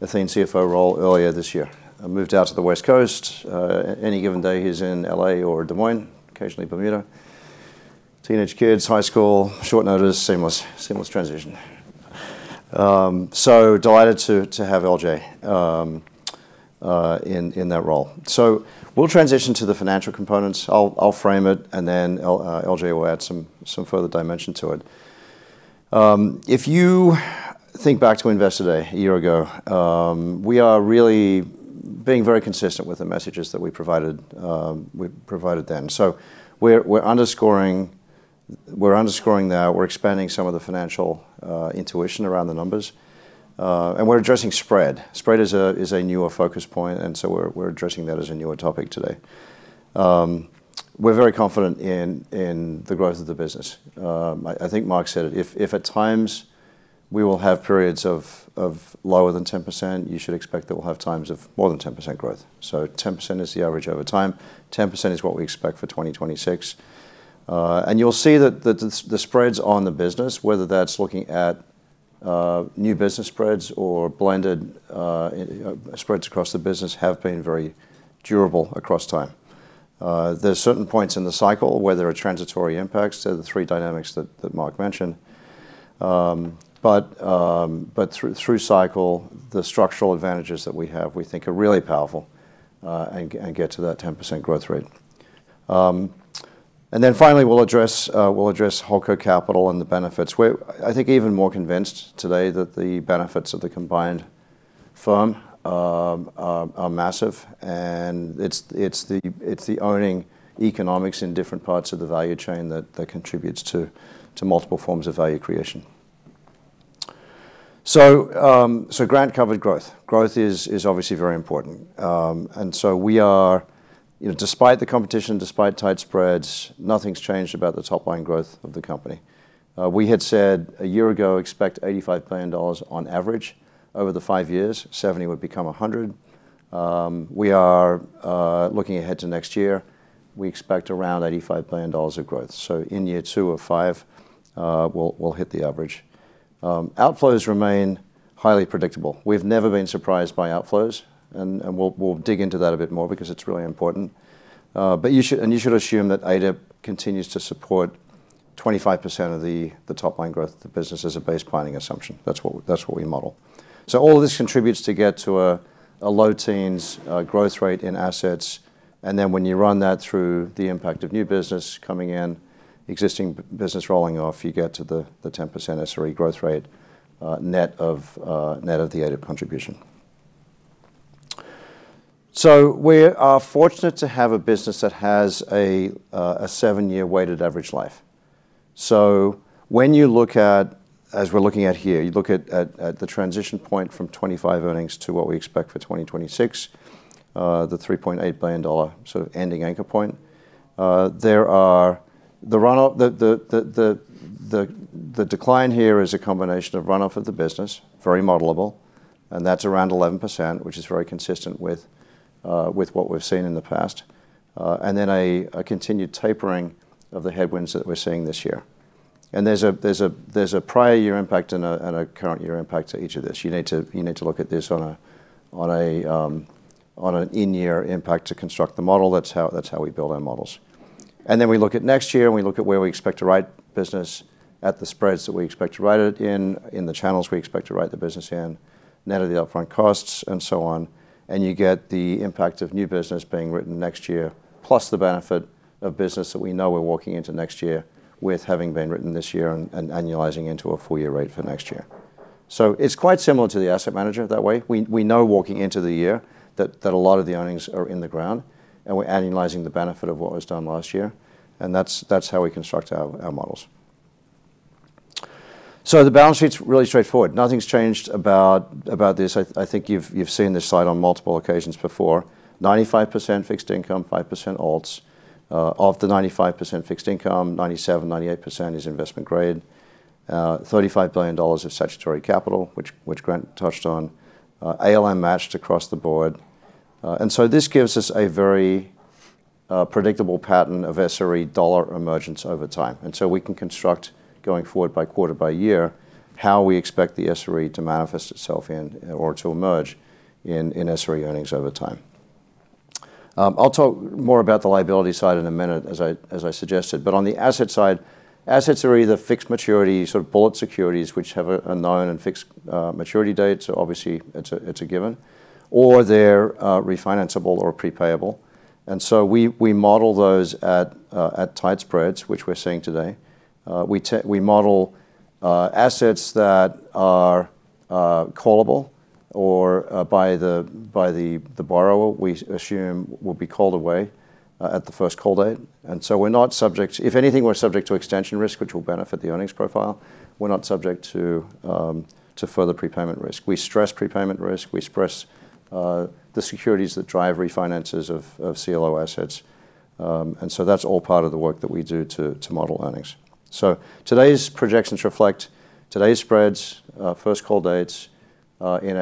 Athene CFO role earlier this year. Moved out to the West Coast. Any given day, he's in Los Angeles or Des Moines, occasionally Bermuda. Teenage kids, high school, short notice, seamless transition. Delighted to have L.J. in that role. We will transition to the financial components. I'll frame it, and then L.J. will add some further dimension to it. If you think back to Investor Day a year ago, we are really being very consistent with the messages that we provided then. We're underscoring that. We're expanding some of the financial intuition around the numbers, and we're addressing spread. Spread is a newer focus point, and we're addressing that as a newer topic today. We're very confident in the growth of the business. I think Marc said it. If at times we will have periods of lower than 10%, you should expect that we'll have times of more than 10% growth. 10% is the average over time. 10% is what we expect for 2026. You will see that the spreads on the business, whether that's looking at new business spreads or blended spreads across the business, have been very durable across time. There are certain points in the cycle where there are transitory impacts to the three dynamics that Marc mentioned. Through cycle, the structural advantages that we have, we think are really powerful and get to that 10% growth rate. Finally, we'll address Hulker Capital and the benefits. I think even more convinced today that the benefits of the combined firm are massive, and it's the owning economics in different parts of the value chain that contributes to multiple forms of value creation. Grant covered growth. Growth is obviously very important. We are, despite the competition, despite tight spreads, nothing's changed about the top-line growth of the company. We had said a year ago, expect $85 billion on average over the five years. 70 would become 100. We are looking ahead to next year. We expect around $85 billion of growth. In year two of five, we'll hit the average. Outflows remain highly predictable. We've never been surprised by outflows, and we'll dig into that a bit more because it's really important. You should assume that ADIP continues to support 25% of the top-line growth of the business as a base planning assumption. That's what we model. All of this contributes to get to a low teens growth rate in assets. When you run that through the impact of new business coming in, existing business rolling off, you get to the 10% SRE growth rate net of the ADIP contribution. We are fortunate to have a business that has a seven-year weighted average life. When you look at, as we're looking at here, you look at the transition point from 2025 earnings to what we expect for 2026, the $3.8 billion sort of ending anchor point. The decline here is a combination of runoff of the business, very modelable, and that's around 11%, which is very consistent with what we've seen in the past, and a continued tapering of the headwinds that we're seeing this year. There is a prior year impact and a current year impact to each of this. You need to look at this on an in-year impact to construct the model. That is how we build our models. Then we look at next year, and we look at where we expect to write business at the spreads that we expect to write it in, in the channels we expect to write the business in, net of the upfront costs, and so on. You get the impact of new business being written next year, plus the benefit of business that we know we are walking into next year with having been written this year and annualizing into a four-year rate for next year. It is quite similar to the asset manager that way. We know walking into the year that a lot of the earnings are in the ground, and we're annualizing the benefit of what was done last year. That is how we construct our models. The balance sheet is really straightforward. Nothing has changed about this. I think you've seen this slide on multiple occasions before. 95% fixed income, 5% alts. Of the 95% fixed income, 97%-98% is investment grade. $35 billion of statutory capital, which Grant touched on. ALM matched across the board. This gives us a very predictable pattern of SRE dollar emergence over time. We can construct going forward by quarter by year how we expect the SRE to manifest itself in or to emerge in SRE earnings over time. I'll talk more about the liability side in a minute, as I suggested. On the asset side, assets are either fixed maturity, sort of bullet securities, which have a known and fixed maturity date. Obviously, it is a given. Or they are refinanceable or prepayable. We model those at tight spreads, which we are seeing today. We model assets that are callable or by the borrower, we assume will be called away at the first call date. We are not subject to, if anything, we are subject to extension risk, which will benefit the earnings profile. We are not subject to further prepayment risk. We stress prepayment risk. We stress the securities that drive refinances of CLO assets. That is all part of the work that we do to model earnings. Today's projections reflect today's spreads, first call dates in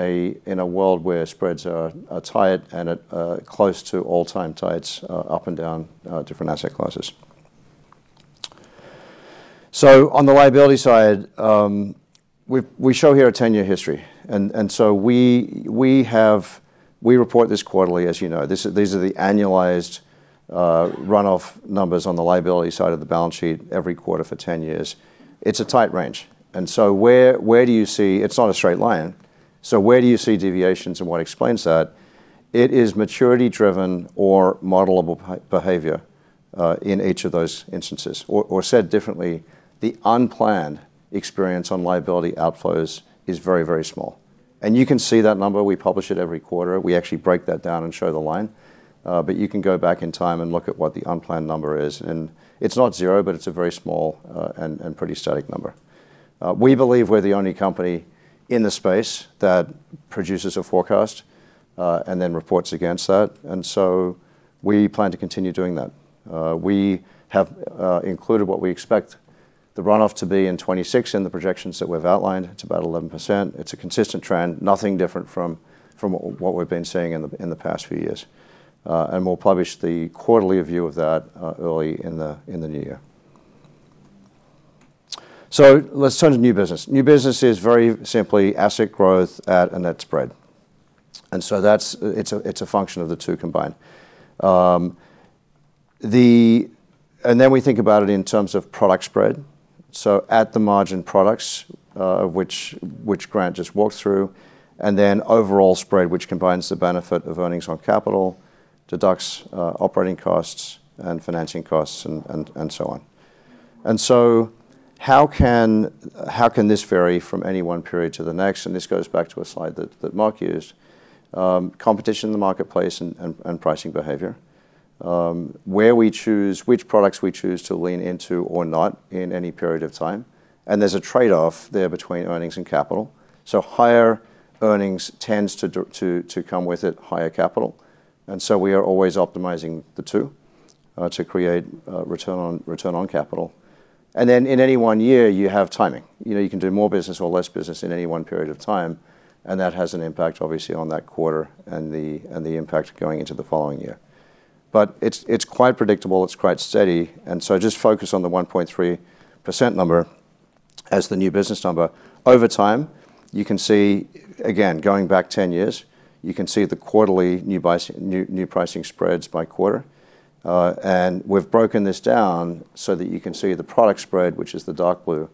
a world where spreads are tight and close to all-time tights up and down different asset classes. On the liability side, we show here a 10-year history. We report this quarterly, as you know. These are the annualized runoff numbers on the liability side of the balance sheet every quarter for 10 years. It is a tight range. Where you see it is not a straight line, where you see deviations and what explains that, it is maturity-driven or modelable behavior in each of those instances. Or said differently, the unplanned experience on liability outflows is very, very small. You can see that number. We publish it every quarter. We actually break that down and show the line. You can go back in time and look at what the unplanned number is. It is not zero, but it is a very small and pretty static number. We believe we're the only company in the space that produces a forecast and then reports against that. We plan to continue doing that. We have included what we expect the runoff to be in 2026 in the projections that we've outlined. It's about 11%. It's a consistent trend, nothing different from what we've been seeing in the past few years. We'll publish the quarterly view of that early in the new year. Let's turn to new business. New business is very simply asset growth at a net spread. It's a function of the two combined. We think about it in terms of product spread, so at the margin products, which Grant just walked through, and then overall spread, which combines the benefit of earnings on capital, deducts operating costs and financing costs, and so on. How can this vary from any one period to the next? This goes back to a slide that Marc used. Competition in the marketplace and pricing behavior. Where we choose, which products we choose to lean into or not in any period of time. There is a trade-off there between earnings and capital. Higher earnings tends to come with it, higher capital. We are always optimizing the two to create return on capital. In any one year, you have timing. You can do more business or less business in any one period of time. That has an impact, obviously, on that quarter and the impact going into the following year. It is quite predictable. It is quite steady. Just focus on the 1.3% number as the new business number. Over time, you can see, again, going back 10 years, you can see the quarterly new pricing spreads by quarter. We have broken this down so that you can see the product spread, which is the dark blue,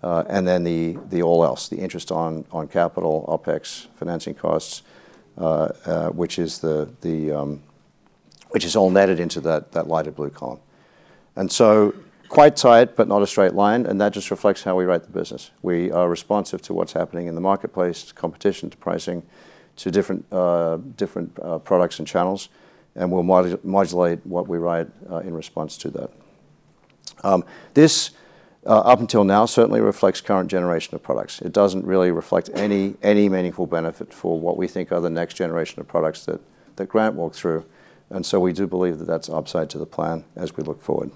and then the all else, the interest on capital, OPEX, financing costs, which is all netted into that lighter blue column. Quite tight, but not a straight line. That just reflects how we write the business. We are responsive to what is happening in the marketplace, to competition, to pricing, to different products and channels. We will modulate what we write in response to that. This, up until now, certainly reflects current generation of products. It does not really reflect any meaningful benefit for what we think are the next generation of products that Grant walked through. We do believe that that's upside to the plan as we look forward.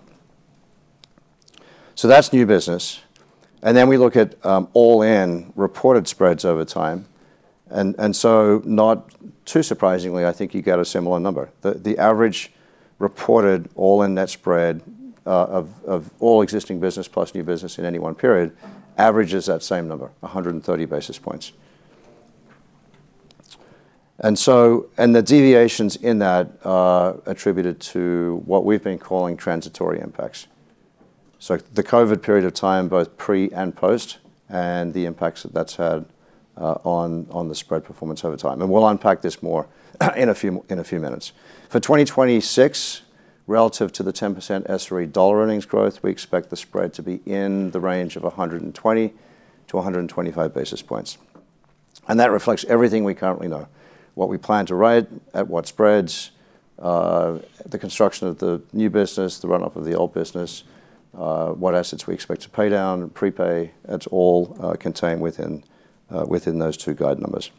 That's new business. We look at all-in reported spreads over time. Not too surprisingly, I think you get a similar number. The average reported all-in net spread of all existing business plus new business in any one period averages that same number, 130 basis points. The deviations in that are attributed to what we've been calling transitory impacts. The COVID period of time, both pre and post, and the impacts that that's had on the spread performance over time. We'll unpack this more in a few minutes. For 2026, relative to the 10% SRE dollar earnings growth, we expect the spread to be in the range of 120-125 basis points. That reflects everything we currently know. What we plan to write, at what spreads, the construction of the new business, the runoff of the old business, what assets we expect to pay down, prepay. It's all contained within those two guide numbers.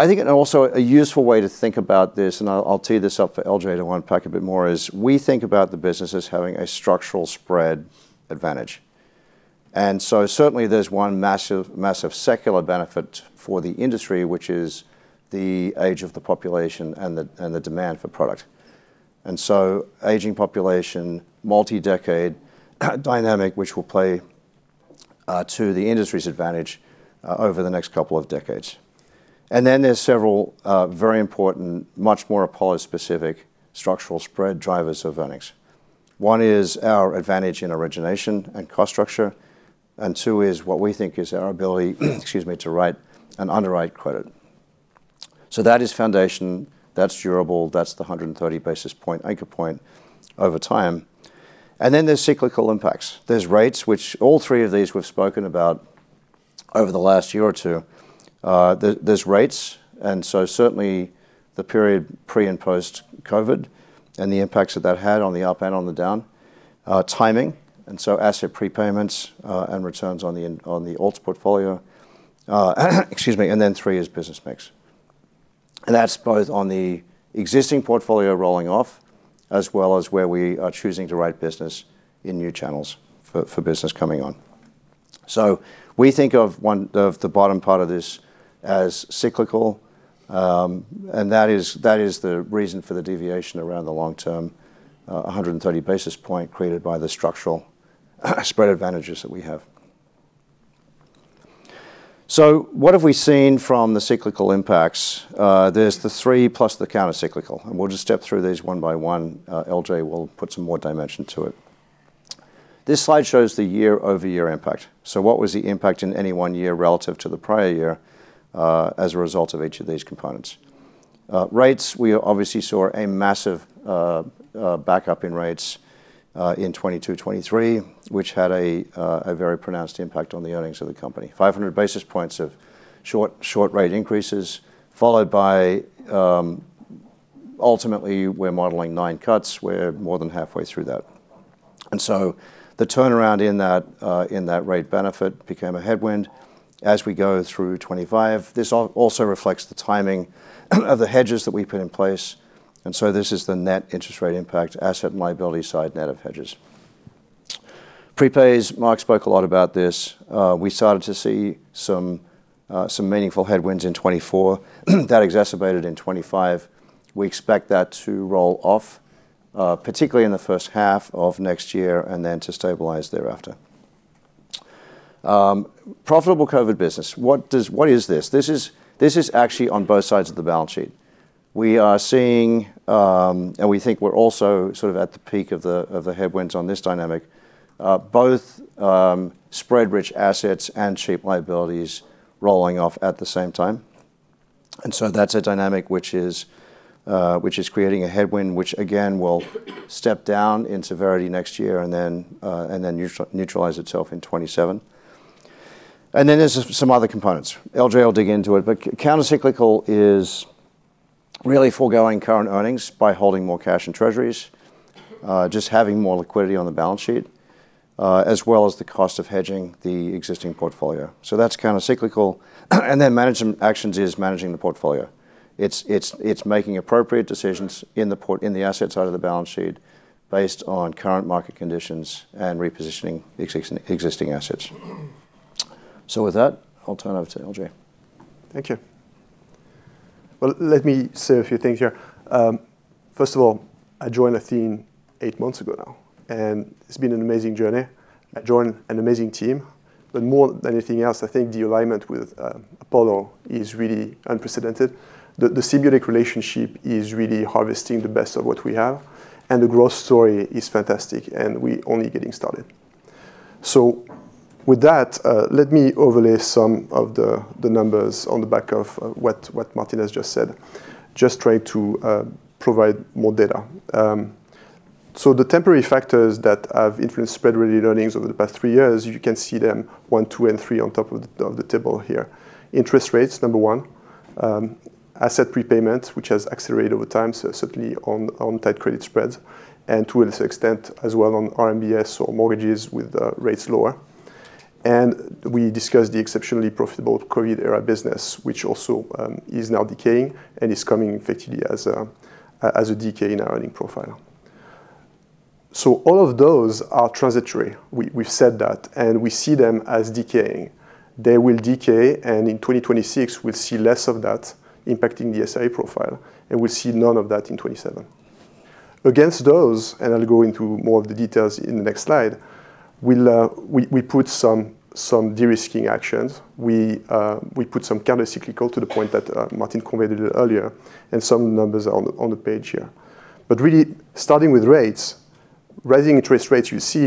I think also a useful way to think about this, and I'll tee this up for L.J. to unpack a bit more, is we think about the business as having a structural spread advantage. There is one massive secular benefit for the industry, which is the age of the population and the demand for product. Aging population, multi-decade dynamic, which will play to the industry's advantage over the next couple of decades. There are several very important, much more Apollo-specific structural spread drivers of earnings. One is our advantage in origination and cost structure. Two is what we think is our ability, excuse me, to write and underwrite credit. That is foundation. That is durable. That is the 130 basis point anchor point over time. There are cyclical impacts. There are rates, which all three of these we have spoken about over the last year or two. There are rates. Certainly, the period pre and post-COVID and the impacts that that had on the up and on the down, timing, and asset prepayments and returns on the alts portfolio. Excuse me. Three is business mix. That is both on the existing portfolio rolling off as well as where we are choosing to write business in new channels for business coming on. We think of the bottom part of this as cyclical. That is the reason for the deviation around the long term, 130 basis point created by the structural spread advantages that we have. What have we seen from the cyclical impacts? There is the three plus the countercyclical. We will just step through these one by one. L.J. will put some more dimension to it. This slide shows the year-over-year impact. What was the impact in any one year relative to the prior year as a result of each of these components? Rates, we obviously saw a massive backup in rates in 2022, 2023, which had a very pronounced impact on the earnings of the company. 500 basis points of short rate increases, followed by ultimately we are modeling nine cuts. We are more than halfway through that. The turnaround in that rate benefit became a headwind as we go through 2025. This also reflects the timing of the hedges that we put in place. This is the net interest rate impact asset and liability side net of hedges. Prepays, Marc spoke a lot about this. We started to see some meaningful headwinds in 2024. That exacerbated in 2025. We expect that to roll off, particularly in the first half of next year and then to stabilize thereafter. Profitable COVID business. What is this? This is actually on both sides of the balance sheet. We are seeing, and we think we're also sort of at the peak of the headwinds on this dynamic, both spread-rich assets and cheap liabilities rolling off at the same time. That is a dynamic which is creating a headwind, which again will step down in severity next year and then neutralize itself in 2027. There are some other components. L.J. will dig into it. Countercyclical is really foregoing current earnings by holding more cash and treasuries, just having more liquidity on the balance sheet, as well as the cost of hedging the existing portfolio. That is countercyclical. Management actions is managing the portfolio. It is making appropriate decisions in the asset side of the balance sheet based on current market conditions and repositioning existing assets. With that, I'll turn over to L.J.. Thank you. Let me say a few things here. First of all, I joined Athene eight months ago now. It has been an amazing journey. I joined an amazing team. More than anything else, I think the alignment with Apollo is really unprecedented. The symbiotic relationship is really harvesting the best of what we have. The growth story is fantastic. We are only getting started. With that, let me overlay some of the numbers on the back of what Martin has just said, just trying to provide more data. The temporary factors that have influenced spread-related earnings over the past three years, you can see them one, two, and three on top of the table here. Interest rates, number one. Asset prepayment, which has accelerated over time, so certainly on tight credit spreads. To a lesser extent as well on RMBS or mortgages with rates lower. We discussed the exceptionally profitable COVID-era business, which also is now decaying and is coming effectively as a decay in our earning profile. All of those are transitory. We have said that. We see them as decaying. They will decay. In 2026, we will see less of that impacting the SRE profile. We will see none of that in 2027. Against those, and I'll go into more of the details in the next slide, we put some de-risking actions. We put some countercyclical to the point that Martin conveyed a little earlier. Some numbers are on the page here. Really, starting with rates, rising interest rates you see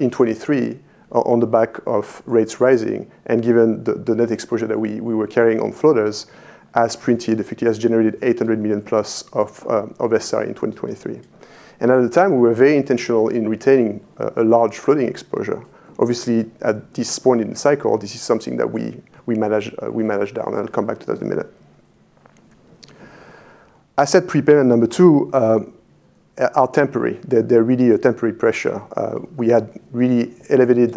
in 2023 on the back of rates rising. Given the net exposure that we were carrying on floaters, as printed, it has generated $800 million plus of SRE in 2023. At the time, we were very intentional in retaining a large floating exposure. Obviously, at this point in the cycle, this is something that we manage down. I'll come back to that in a minute. Asset prepayment, number two, are temporary. They're really a temporary pressure. We had really elevated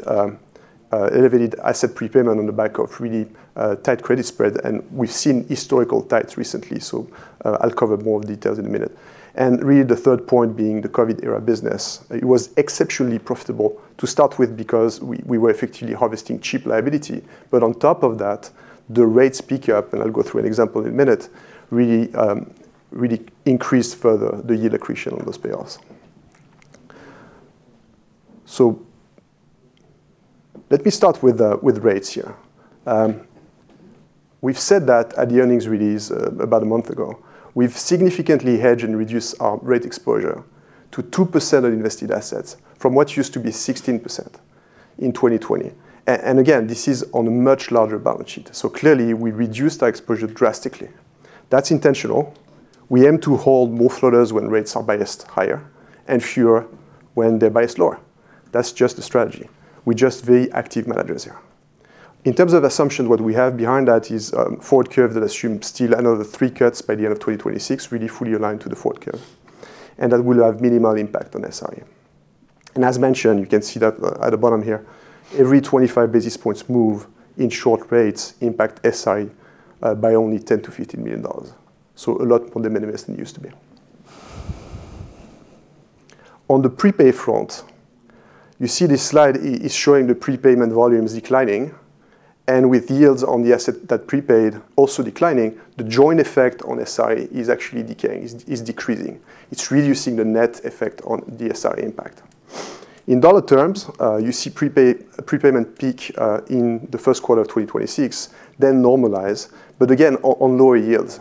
asset prepayment on the back of really tight credit spreads. We've seen historical tights recently. I'll cover more of the details in a minute. Really, the third point being the COVID-era business. It was exceptionally profitable to start with because we were effectively harvesting cheap liability. On top of that, the rates pick up, and I'll go through an example in a minute, really increased further the yield accretion on those payoffs. Let me start with rates here. We said that at the earnings release about a month ago. We've significantly hedged and reduced our rate exposure to 2% of invested assets from what used to be 16% in 2020. Again, this is on a much larger balance sheet. Clearly, we reduced our exposure drastically. That's intentional. We aim to hold more floaters when rates are biased higher and fewer when they're biased lower. That's just the strategy. We're just very active managers here. In terms of assumptions, what we have behind that is a forward curve that assumes still another three cuts by the end of 2026, really fully aligned to the forward curve. That will have minimal impact on SRE. As mentioned, you can see that at the bottom here, every 25 basis points move in short rates impact SRE by only $10 million-$15 million. A lot more than minimized than it used to be. On the prepay front, you see this slide is showing the prepayment volumes declining. With yields on the asset that prepaid also declining, the joint effect on SRE is actually decaying, is decreasing. It is reducing the net effect on the SRE impact. In dollar terms, you see prepayment peak in the first quarter of 2026, then normalize. Again, on lower yields.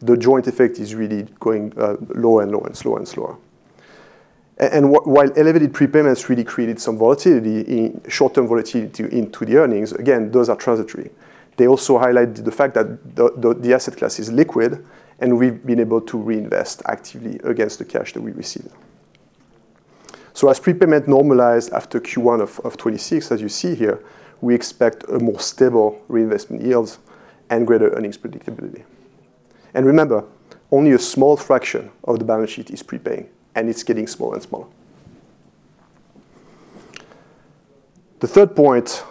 The joint effect is really going lower and lower and slower and slower. While elevated prepayments really created some volatility, short-term volatility into the earnings, again, those are transitory. They also highlight the fact that the asset class is liquid. We have been able to reinvest actively against the cash that we received. As prepayment normalized after Q1 of 2026, as you see here, we expect more stable reinvestment yields and greater earnings predictability. Remember, only a small fraction of the balance sheet is prepaying, and it is getting smaller and smaller. The third point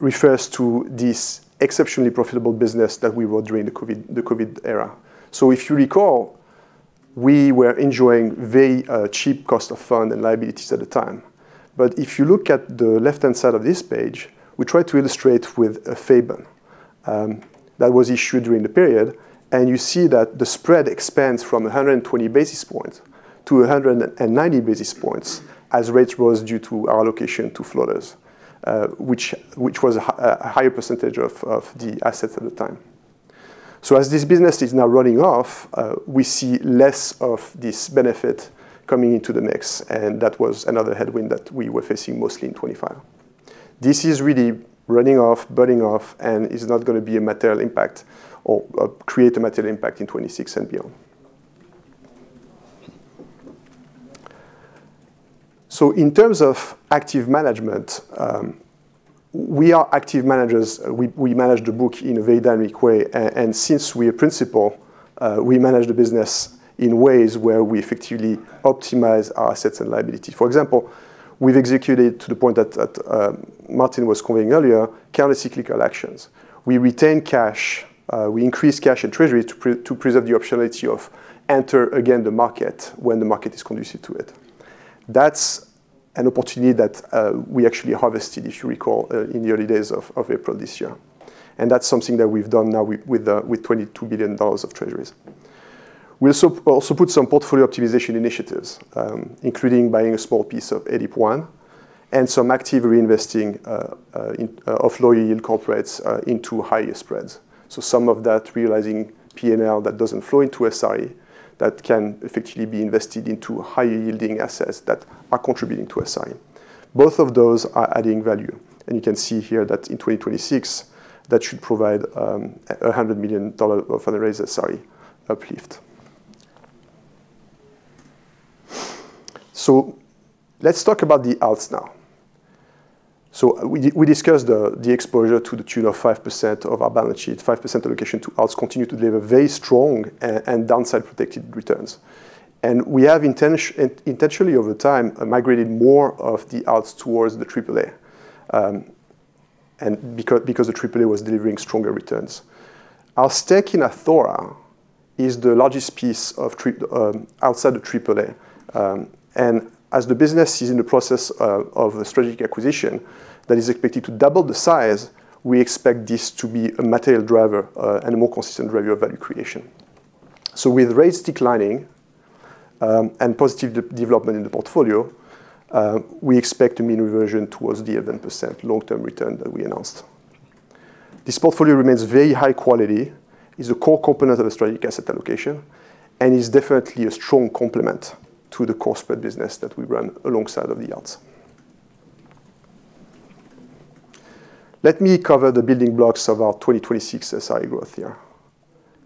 refers to this exceptionally profitable business that we wrote during the COVID era. If you recall, we were enjoying very cheap cost of fund and liabilities at the time. If you look at the left-hand side of this page, we try to illustrate with a FABN that was issued during the period. You see that the spread expands from 120 basis points to 190 basis points as rates rose due to our allocation to floaters, which was a higher percentage of the assets at the time. As this business is now running off, we see less of this benefit coming into the mix. That was another headwind that we were facing mostly in 2025. This is really running off, burning off, and is not going to be a material impact or create a material impact in 2026 and beyond. In terms of active management, we are active managers. We manage the book in a very dynamic way. Since we are principal, we manage the business in ways where we effectively optimize our assets and liabilities. For example, we have executed, to the point that Martin was conveying earlier, countercyclical actions. We retain cash. We increase cash and treasury to preserve the optionality of entering again the market when the market is conducive to it. That is an opportunity that we actually harvested, if you recall, in the early days of April this year. That is something that we have done now with $22 billion of treasuries. We also put some portfolio optimization initiatives in place, including buying a small piece of ADIP ONE and some active reinvesting of low-yield corporates into higher spreads. Some of that is realizing P&L that does not flow into SRE that can effectively be invested into high-yielding assets that are contributing to SRE. Both of those are adding value. You can see here that in 2026, that should provide a $100 million of fundraiser SRE uplift. Let's talk about the alts now. We discussed the exposure to the tune of 5% of our balance sheet, 5% allocation to alts continue to deliver very strong and downside-protected returns. We have intentionally over time migrated more of the alts towards the AAA because the AAA was delivering stronger returns. Our stake in Athora is the largest piece outside the AAA. As the business is in the process of a strategic acquisition that is expected to double the size, we expect this to be a material driver and a more consistent driver of value creation. With rates declining and positive development in the portfolio, we expect a mean reversion towards the 11% long-term return that we announced. This portfolio remains very high quality, is a core component of the strategic asset allocation, and is definitely a strong complement to the core spread business that we run alongside of the alts. Let me cover the building blocks of our 2026 SRE growth here.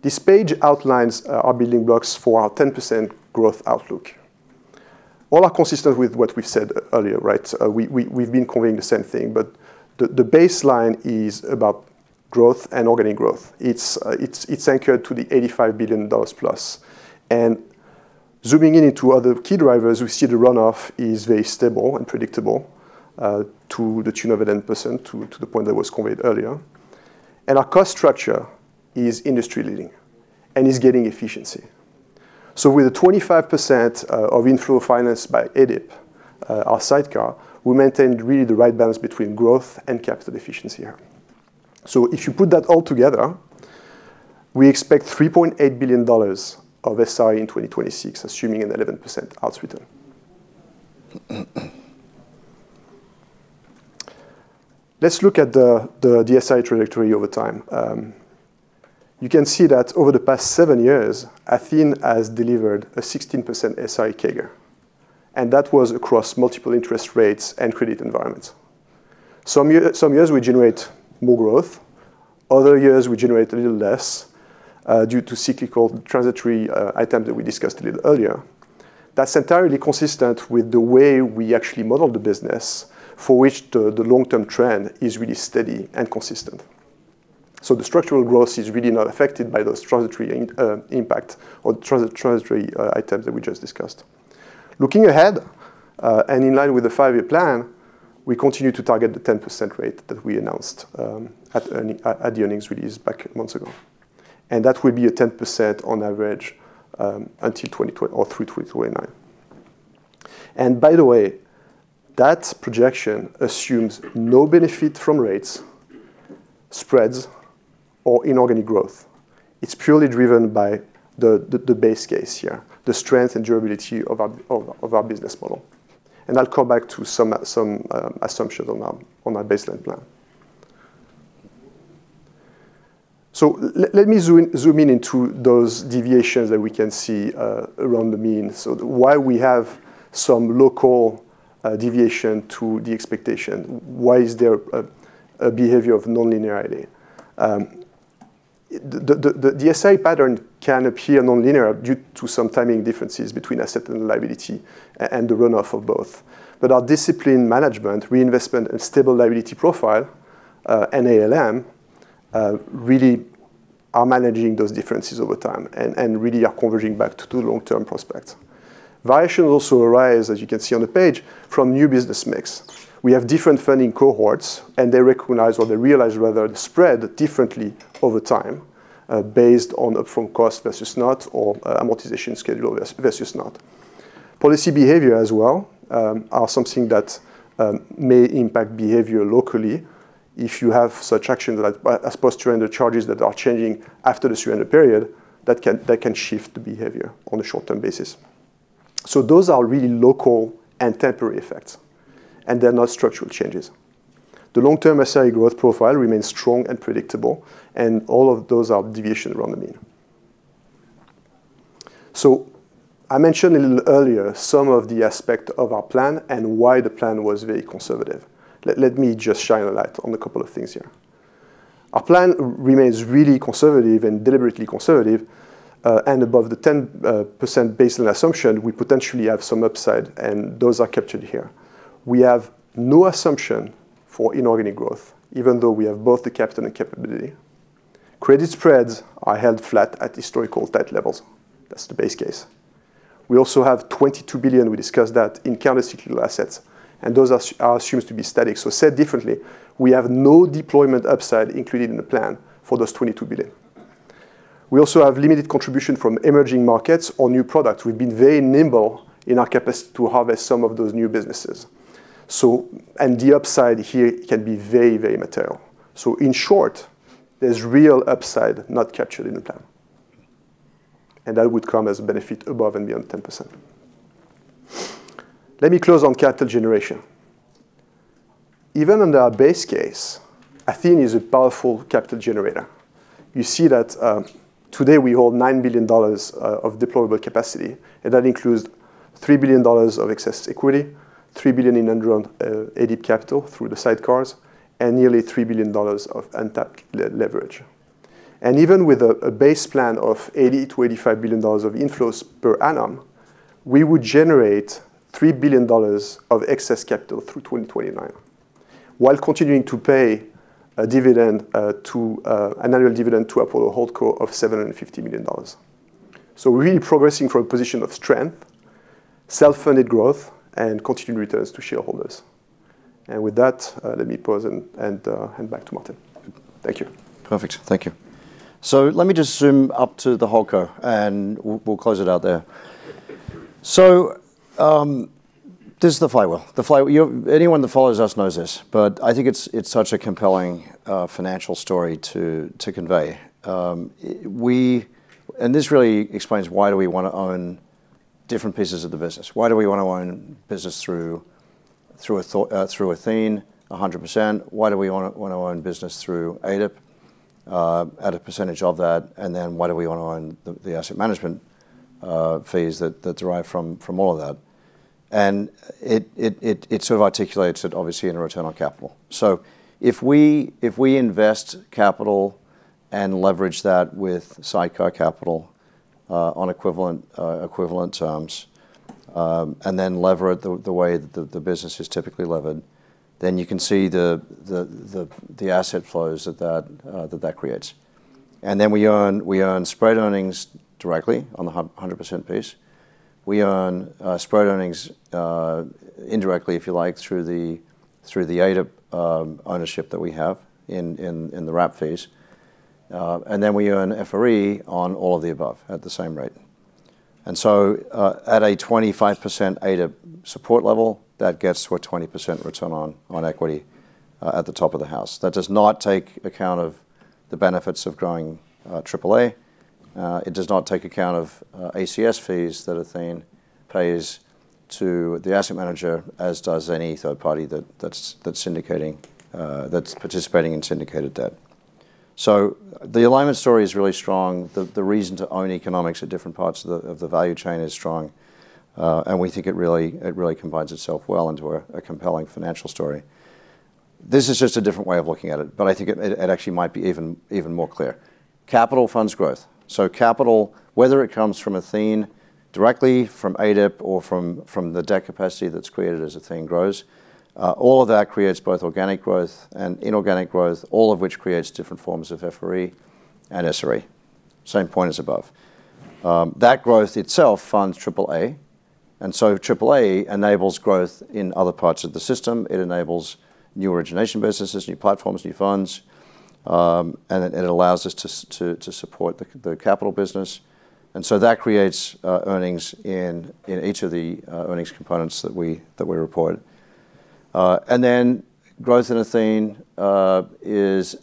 This page outlines our building blocks for our 10% growth outlook. All are consistent with what we've said earlier, right? We've been conveying the same thing. The baseline is about growth and organic growth. It's anchored to the $85 billion plus. Zooming in into other key drivers, we see the runoff is very stable and predictable to the tune of 11% to the point that was conveyed earlier. Our cost structure is industry-leading and is getting efficiency. With 25% of inflow financed by ADIP, our sidecar, we maintained really the right balance between growth and capital efficiency here. If you put that all together, we expect $3.8 billion of SRE in 2026, assuming an 11% alts return. Let's look at the SRE trajectory over time. You can see that over the past seven years, Athene has delivered a 16% SRE CAGR. That was across multiple interest rates and credit environments. Some years we generate more growth. Other years we generate a little less due to cyclical transitory items that we discussed a little earlier. That's entirely consistent with the way we actually model the business for which the long-term trend is really steady and consistent. The structural growth is really not affected by those transitory impacts or transitory items that we just discussed. Looking ahead and in line with the five-year plan, we continue to target the 10% rate that we announced at the earnings release back months ago. That will be a 10% on average until 2020 or through 2029. By the way, that projection assumes no benefit from rates, spreads, or inorganic growth. It is purely driven by the base case here, the strength and durability of our business model. I will come back to some assumptions on our baseline plan. Let me zoom in into those deviations that we can see around the mean. Why do we have some local deviation to the expectation? Why is there a behavior of non-linearity? The SRE pattern can appear non-linear due to some timing differences between asset and liability and the runoff of both. Our disciplined management, reinvestment, and stable liability profile, and ALM really are managing those differences over time and really are converging back to the long-term prospects. Variations also arise, as you can see on the page, from new business mix. We have different funding cohorts. They recognize or they realize rather the spread differently over time based on upfront cost versus not or amortization schedule versus not. Policy behavior as well are something that may impact behavior locally. If you have such actions as post-surrender charges that are changing after the surrender period, that can shift the behavior on a short-term basis. Those are really local and temporary effects. They are not structural changes. The long-term SRE growth profile remains strong and predictable. All of those are deviations around the mean. I mentioned a little earlier some of the aspects of our plan and why the plan was very conservative. Let me just shine a light on a couple of things here. Our plan remains really conservative and deliberately conservative. Above the 10% baseline assumption, we potentially have some upside. Those are captured here. We have no assumption for inorganic growth, even though we have both the capital and capability. Credit spreads are held flat at historical tight levels. That is the base case. We also have $22 billion. We discussed that in countercyclical assets. Those are assumed to be static. Said differently, we have no deployment upside included in the plan for those $22 billion. We also have limited contribution from emerging markets or new products. We have been very nimble in our capacity to harvest some of those new businesses. The upside here can be very, very material. In short, there is real upside not captured in the plan. That would come as a benefit above and beyond 10%. Let me close on capital generation. Even under our base case, Athene is a powerful capital generator. You see that today we hold $9 billion of deployable capacity. That includes $3 billion of excess equity, $3 billion in enrolled ADIP capital through the sidecars, and nearly $3 billion of untapped leverage. Even with a base plan of $80-$85 billion of inflows per annum, we would generate $3 billion of excess capital through 2029 while continuing to pay an annual dividend to Apollo Holdco of $750 million. We are really progressing from a position of strength, self-funded growth, and continued returns to shareholders. With that, let me pause and hand back to Martin. Thank you. Perfect. Thank you. Let me just zoom up to the Holdco. We will close it out there. This is the flywheel. Anyone that follows us knows this. I think it is such a compelling financial story to convey. This really explains why we want to own different pieces of the business. Why do we want to own business through Athene 100%? Why do we want to own business through ADIP at a percentage of that? Why do we want to own the asset management fees that derive from all of that? It sort of articulates it, obviously, in a return on capital. If we invest capital and leverage that with sidecar capital on equivalent terms and then lever it the way the business is typically levered, you can see the asset flows that that creates. We earn spread earnings directly on the 100% piece. We earn spread earnings indirectly, if you like, through the ADIP ownership that we have in the wrap fees. We earn FRE on all of the above at the same rate. At a 25% ADIP support level, that gets to a 20% return on equity at the top of the house. That does not take account of the benefits of growing AAA. It does not take account of ACS fees that Athene pays to the asset manager, as does any third party that is participating in syndicated debt. The alignment story is really strong. The reason to own economics at different parts of the value chain is strong. We think it really combines itself well into a compelling financial story. This is just a different way of looking at it. I think it actually might be even more clear. Capital funds growth. Capital, whether it comes from Athene directly, from ADIP, or from the debt capacity that's created as Athene grows, all of that creates both organic growth and inorganic growth, all of which creates different forms of FRE and SRE. Same point as above. That growth itself funds AAA. AAA enables growth in other parts of the system. It enables new origination businesses, new platforms, new funds. It allows us to support the capital business. That creates earnings in each of the earnings components that we report. Growth in Athene is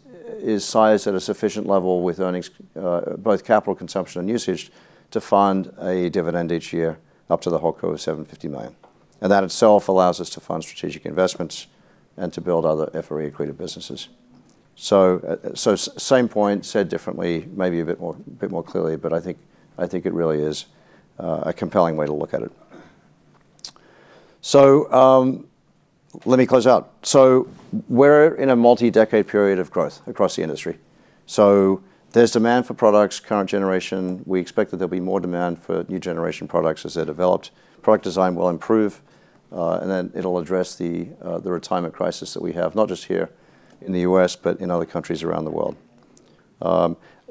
sized at a sufficient level with earnings, both capital consumption and usage, to fund a dividend each year up to the Holdco of $750 million. That itself allows us to fund strategic investments and to build other FRE-accredited businesses. Same point, said differently, maybe a bit more clearly. I think it really is a compelling way to look at it. Let me close out. We are in a multi-decade period of growth across the industry. There is demand for products, current generation. We expect that there will be more demand for new generation products as they are developed. Product design will improve. It will address the retirement crisis that we have, not just here in the U.S., but in other countries around the world.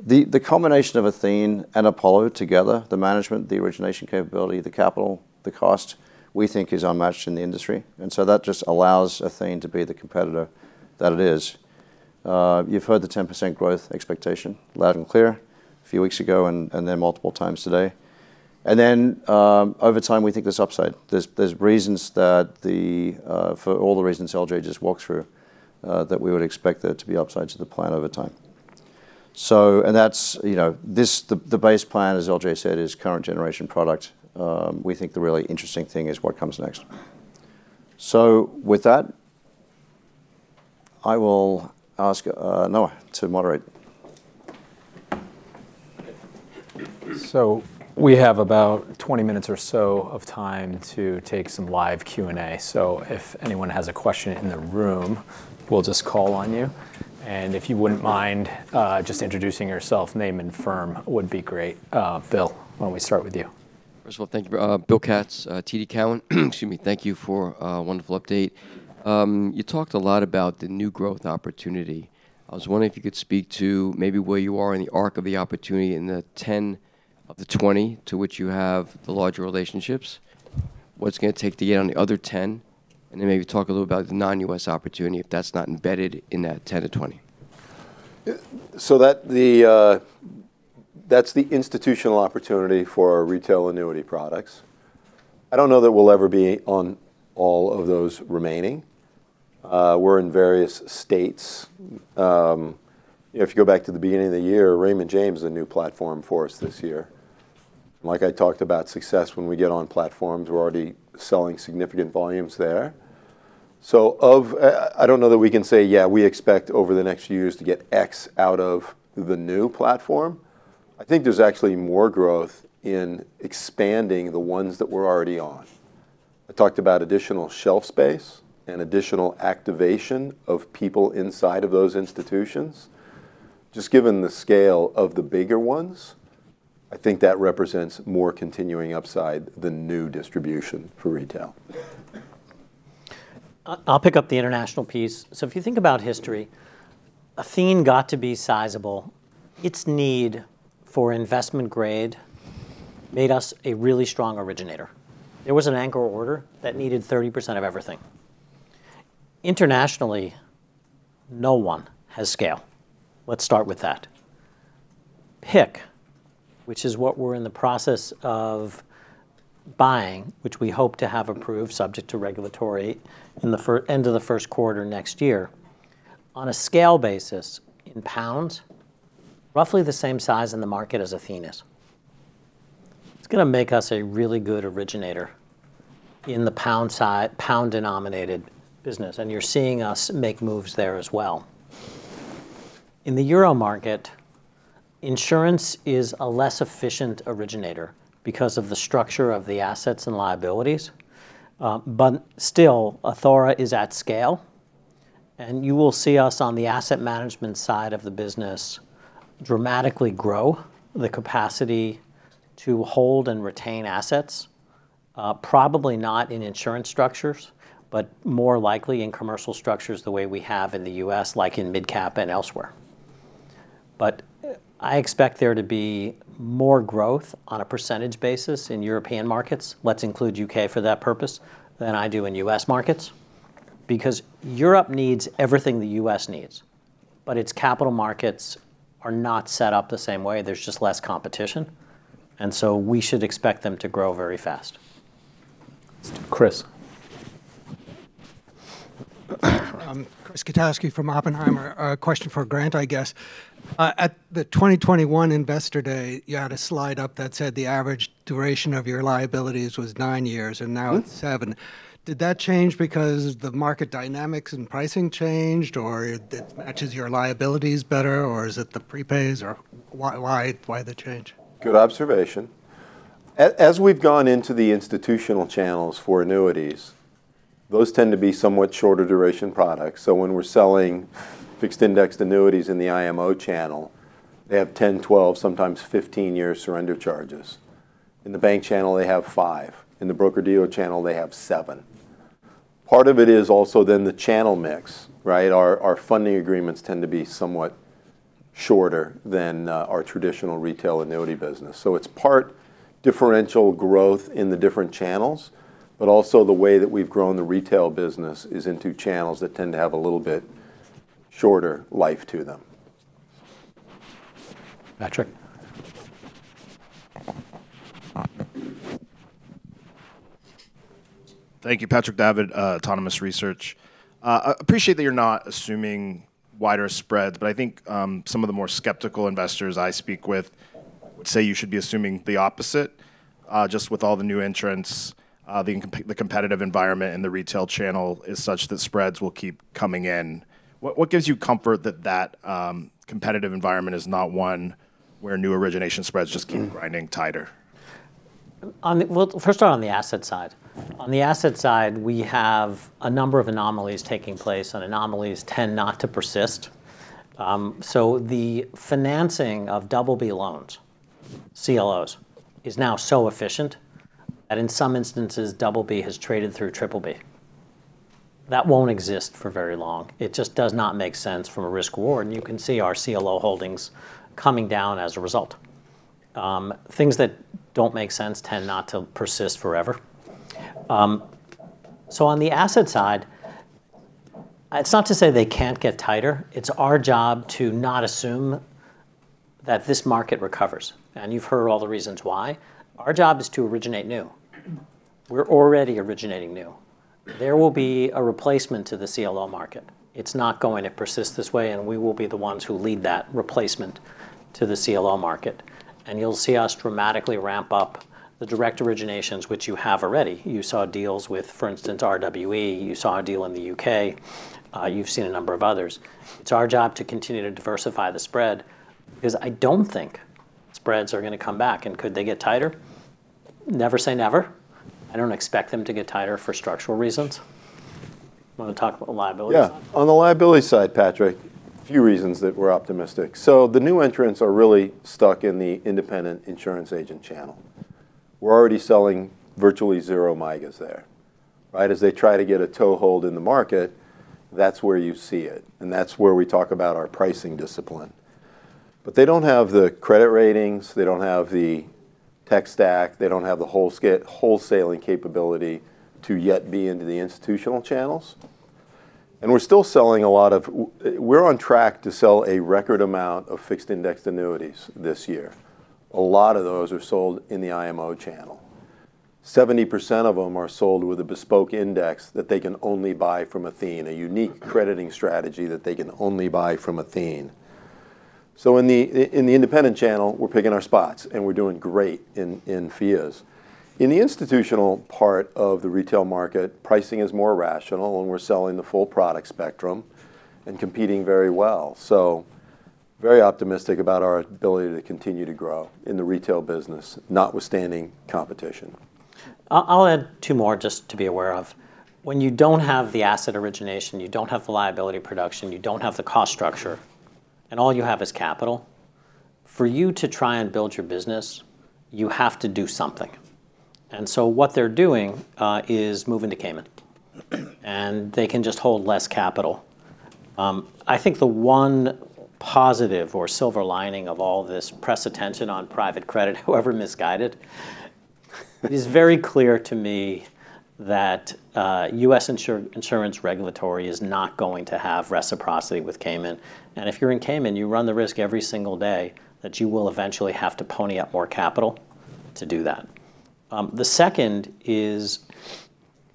The combination of Athene and Apollo together, the management, the origination capability, the capital, the cost, we think is unmatched in the industry. That just allows Athene to be the competitor that it is. You have heard the 10% growth expectation loud and clear a few weeks ago and then multiple times today. Over time, we think there is upside. are reasons that, for all the reasons L.J. just walked through, we would expect there to be upsides to the plan over time. The base plan, as L.J. said, is current generation product. We think the really interesting thing is what comes next. With that, I will ask Noah to moderate. We have about 20 minutes or so of time to take some live Q&A. If anyone has a question in the room, we'll just call on you. If you wouldn't mind just introducing yourself, name and firm, would be great. Bill, why don't we start with you? First of all, thank you. Bill Katz, TD Cowen. Excuse me. Thank you for a wonderful update. You talked a lot about the new growth opportunity. I was wondering if you could speak to maybe where you are in the arc of the opportunity in the 10 of the 20 to which you have the larger relationships. What's going to take to get on the other 10? And then maybe talk a little about the non-U.S. opportunity if that's not embedded in that 10 to 20. That is the institutional opportunity for our retail annuity products. I do not know that we will ever be on all of those remaining. We are in various states. If you go back to the beginning of the year, Raymond James is a new platform for us this year. Like I talked about success, when we get on platforms, we are already selling significant volumes there. I do not know that we can say, yeah, we expect over the next few years to get X out of the new platform. I think there is actually more growth in expanding the ones that we are already on. I talked about additional shelf space and additional activation of people inside of those institutions. Just given the scale of the bigger ones, I think that represents more continuing upside than new distribution for retail. I'll pick up the international piece. If you think about history, Athene got to be sizable. Its need for investment grade made us a really strong originator. There was an anchor order that needed 30% of everything. Internationally, no one has scale. Let's start with that. PIC, which is what we're in the process of buying, which we hope to have approved subject to regulatory end of the first quarter next year, on a scale basis in pounds, roughly the same size in the market as Athene is. It's going to make us a really good originator in the pound-denominated business. You're seeing us make moves there as well. In the euro market, insurance is a less efficient originator because of the structure of the assets and liabilities. Still, Athora is at scale. You will see us on the asset management side of the business dramatically grow the capacity to hold and retain assets, probably not in insurance structures, but more likely in commercial structures the way we have in the U.S., like in mid-cap and elsewhere. I expect there to be more growth on a percentage basis in European markets. Let's include the U.K. for that purpose than I do in U.S. markets. Europe needs everything the U.S. needs, but its capital markets are not set up the same way. There is just less competition, and we should expect them to grow very fast. Chris. Chris Kotowski from Oppenheimer. Question for Grant, I guess. At the 2021 Investor Day, you had a slide up that said the average duration of your liabilities was nine years and now it is seven. Did that change because the market dynamics and pricing changed? Or it matches your liabilities better? Or is it the prepays? Or why the change? Good observation. As we've gone into the institutional channels for annuities, those tend to be somewhat shorter duration products. When we're selling fixed indexed annuities in the IMO channel, they have 10, 12, sometimes 15-year surrender charges. In the bank channel, they have five. In the broker-dealer channel, they have seven. Part of it is also then the channel mix. Our funding agreements tend to be somewhat shorter than our traditional retail annuity business. It is part differential growth in the different channels. Also, the way that we've grown the retail business is into channels that tend to have a little bit shorter life to them. Patrick. Thank you. Patrick Davitt, Autonomous Research. I appreciate that you're not assuming wider spreads. I think some of the more skeptical investors I speak with would say you should be assuming the opposite. Just with all the new entrants, the competitive environment in the retail channel is such that spreads will keep coming in. What gives you comfort that that competitive environment is not one where new origination spreads just keep grinding tighter? First on the asset side. On the asset side, we have a number of anomalies taking place. Anomalies tend not to persist. The financing of BB loans, CLOs, is now so efficient that in some instances, BB has traded through BBB. That will not exist for very long. It just does not make sense from a risk reward. You can see our CLO holdings coming down as a result. Things that do not make sense tend not to persist forever. On the asset side, it is not to say they cannot get tighter. It is our job to not assume that this market recovers. You have heard all the reasons why. Our job is to originate new. We are already originating new. There will be a replacement to the CLO market. It is not going to persist this way. We will be the ones who lead that replacement to the CLO market. You will see us dramatically ramp up the direct originations, which you have already. You saw deals with, for instance, RWE. You saw a deal in the U.K. You have seen a number of others. It is our job to continue to diversify the spread. I do not think spreads are going to come back. Could they get tighter? Never say never. I do not expect them to get tighter for structural reasons. Want to talk about liabilities? Yeah. On the liability side, Patrick, a few reasons that we're optimistic. The new entrants are really stuck in the independent insurance agent channel. We're already selling virtually zero MIGAs there. As they try to get a toehold in the market, that's where you see it. That is where we talk about our pricing discipline. They do not have the credit ratings. They do not have the tech stack. They do not have the wholesaling capability to yet be into the institutional channels. We're still selling a lot of—we're on track to sell a record amount of fixed indexed annuities this year. A lot of those are sold in the IMO channel. 70% of them are sold with a bespoke index that they can only buy from Athene, a unique crediting strategy that they can only buy from Athene. In the independent channel, we're picking our spots. We're doing great in FIAs. In the institutional part of the retail market, pricing is more rational. We're selling the full product spectrum and competing very well. Very optimistic about our ability to continue to grow in the retail business, notwithstanding competition. I'll add two more just to be aware of. When you don't have the asset origination, you don't have the liability production, you don't have the cost structure, and all you have is capital, for you to try and build your business, you have to do something. What they're doing is moving to Cayman. They can just hold less capital. I think the one positive or silver lining of all this press attention on private credit, however misguided, it is very clear to me that U.S. insurance regulatory is not going to have reciprocity with Cayman. If you're in Cayman, you run the risk every single day that you will eventually have to pony up more capital to do that. The second is,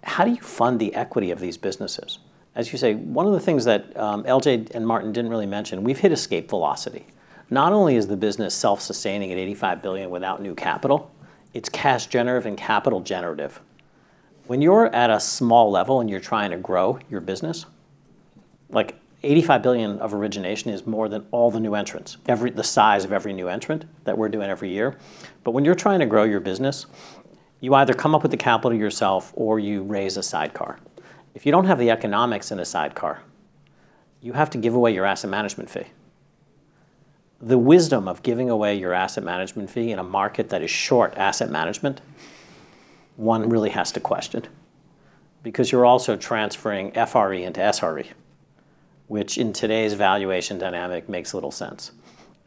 how do you fund the equity of these businesses? As you say, one of the things that L.J. and Martin did not really mention, we've hit escape velocity. Not only is the business self-sustaining at $85 billion without new capital, it's cash-generative and capital-generative. When you're at a small level and you're trying to grow your business, $85 billion of origination is more than all the new entrants, the size of every new entrant that we're doing every year. When you're trying to grow your business, you either come up with the capital yourself or you raise a sidecar. If you do not have the economics in a sidecar, you have to give away your asset management fee. The wisdom of giving away your asset management fee in a market that is short asset management, one really has to question. Because you're also transferring FRE into SRE, which in today's valuation dynamic makes little sense.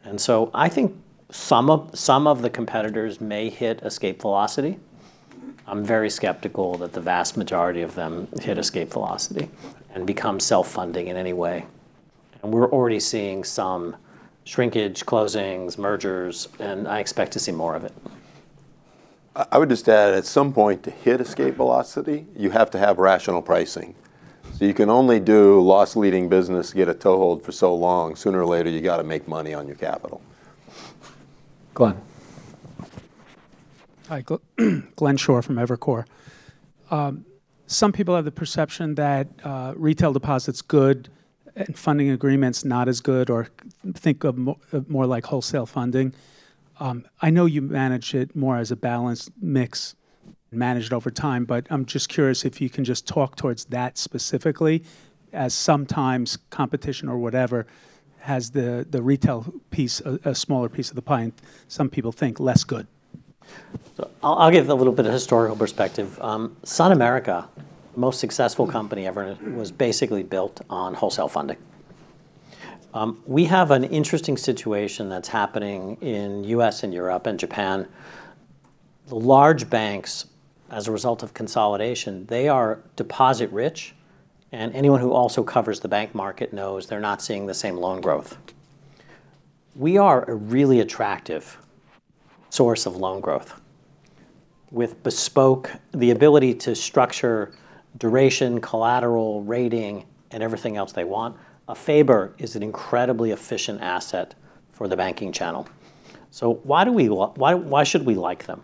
I think some of the competitors may hit escape velocity. I'm very skeptical that the vast majority of them hit escape velocity and become self-funding in any way. We're already seeing some shrinkage, closings, mergers. I expect to see more of it. I would just add, at some point to hit escape velocity, you have to have rational pricing. You can only do loss-leading business to get a toehold for so long. Sooner or later, you've got to make money on your capital. Glenn. Hi. Glenn Schorr from Evercore. Some people have the perception that retail deposit is good and funding agreements not as good or think of more like wholesale funding. I know you manage it more as a balanced mix and manage it over time. I am just curious if you can just talk towards that specifically, as sometimes competition or whatever has the retail piece a smaller piece of the pie. Some people think less good. I'll give a little bit of historical perspective. SunAmerica, the most successful company ever, was basically built on wholesale funding. We have an interesting situation that's happening in the U.S. and Europe and Japan. The large banks, as a result of consolidation, are deposit-rich. Anyone who also covers the bank market knows they're not seeing the same loan growth. We are a really attractive source of loan growth with bespoke, the ability to structure duration, collateral, rating, and everything else they want. A FABR is an incredibly efficient asset for the banking channel. Why should we like them?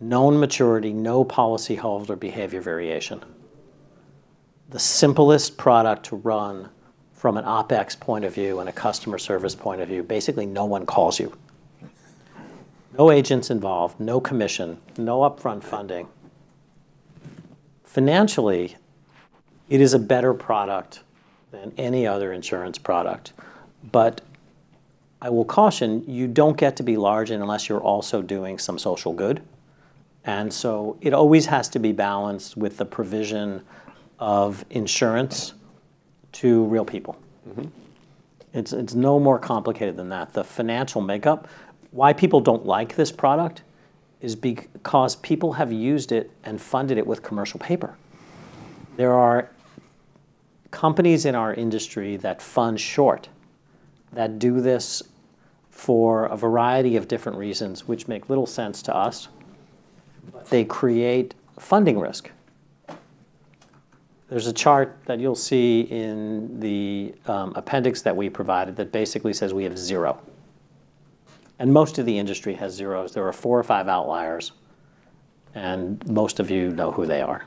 Known maturity, no policyholder behavior variation. The simplest product to run from an OPEX point of view and a customer service point of view, basically no one calls you. No agents involved, no commission, no upfront funding. Financially, it is a better product than any other insurance product. I will caution, you do not get to be large unless you are also doing some social good. It always has to be balanced with the provision of insurance to real people. It is no more complicated than that. The financial makeup, why people do not like this product is because people have used it and funded it with commercial paper. There are companies in our industry that fund short, that do this for a variety of different reasons, which make little sense to us. They create funding risk. There is a chart that you will see in the appendix that we provided that basically says we have zero. Most of the industry has zeros. There are four or five outliers. Most of you know who they are.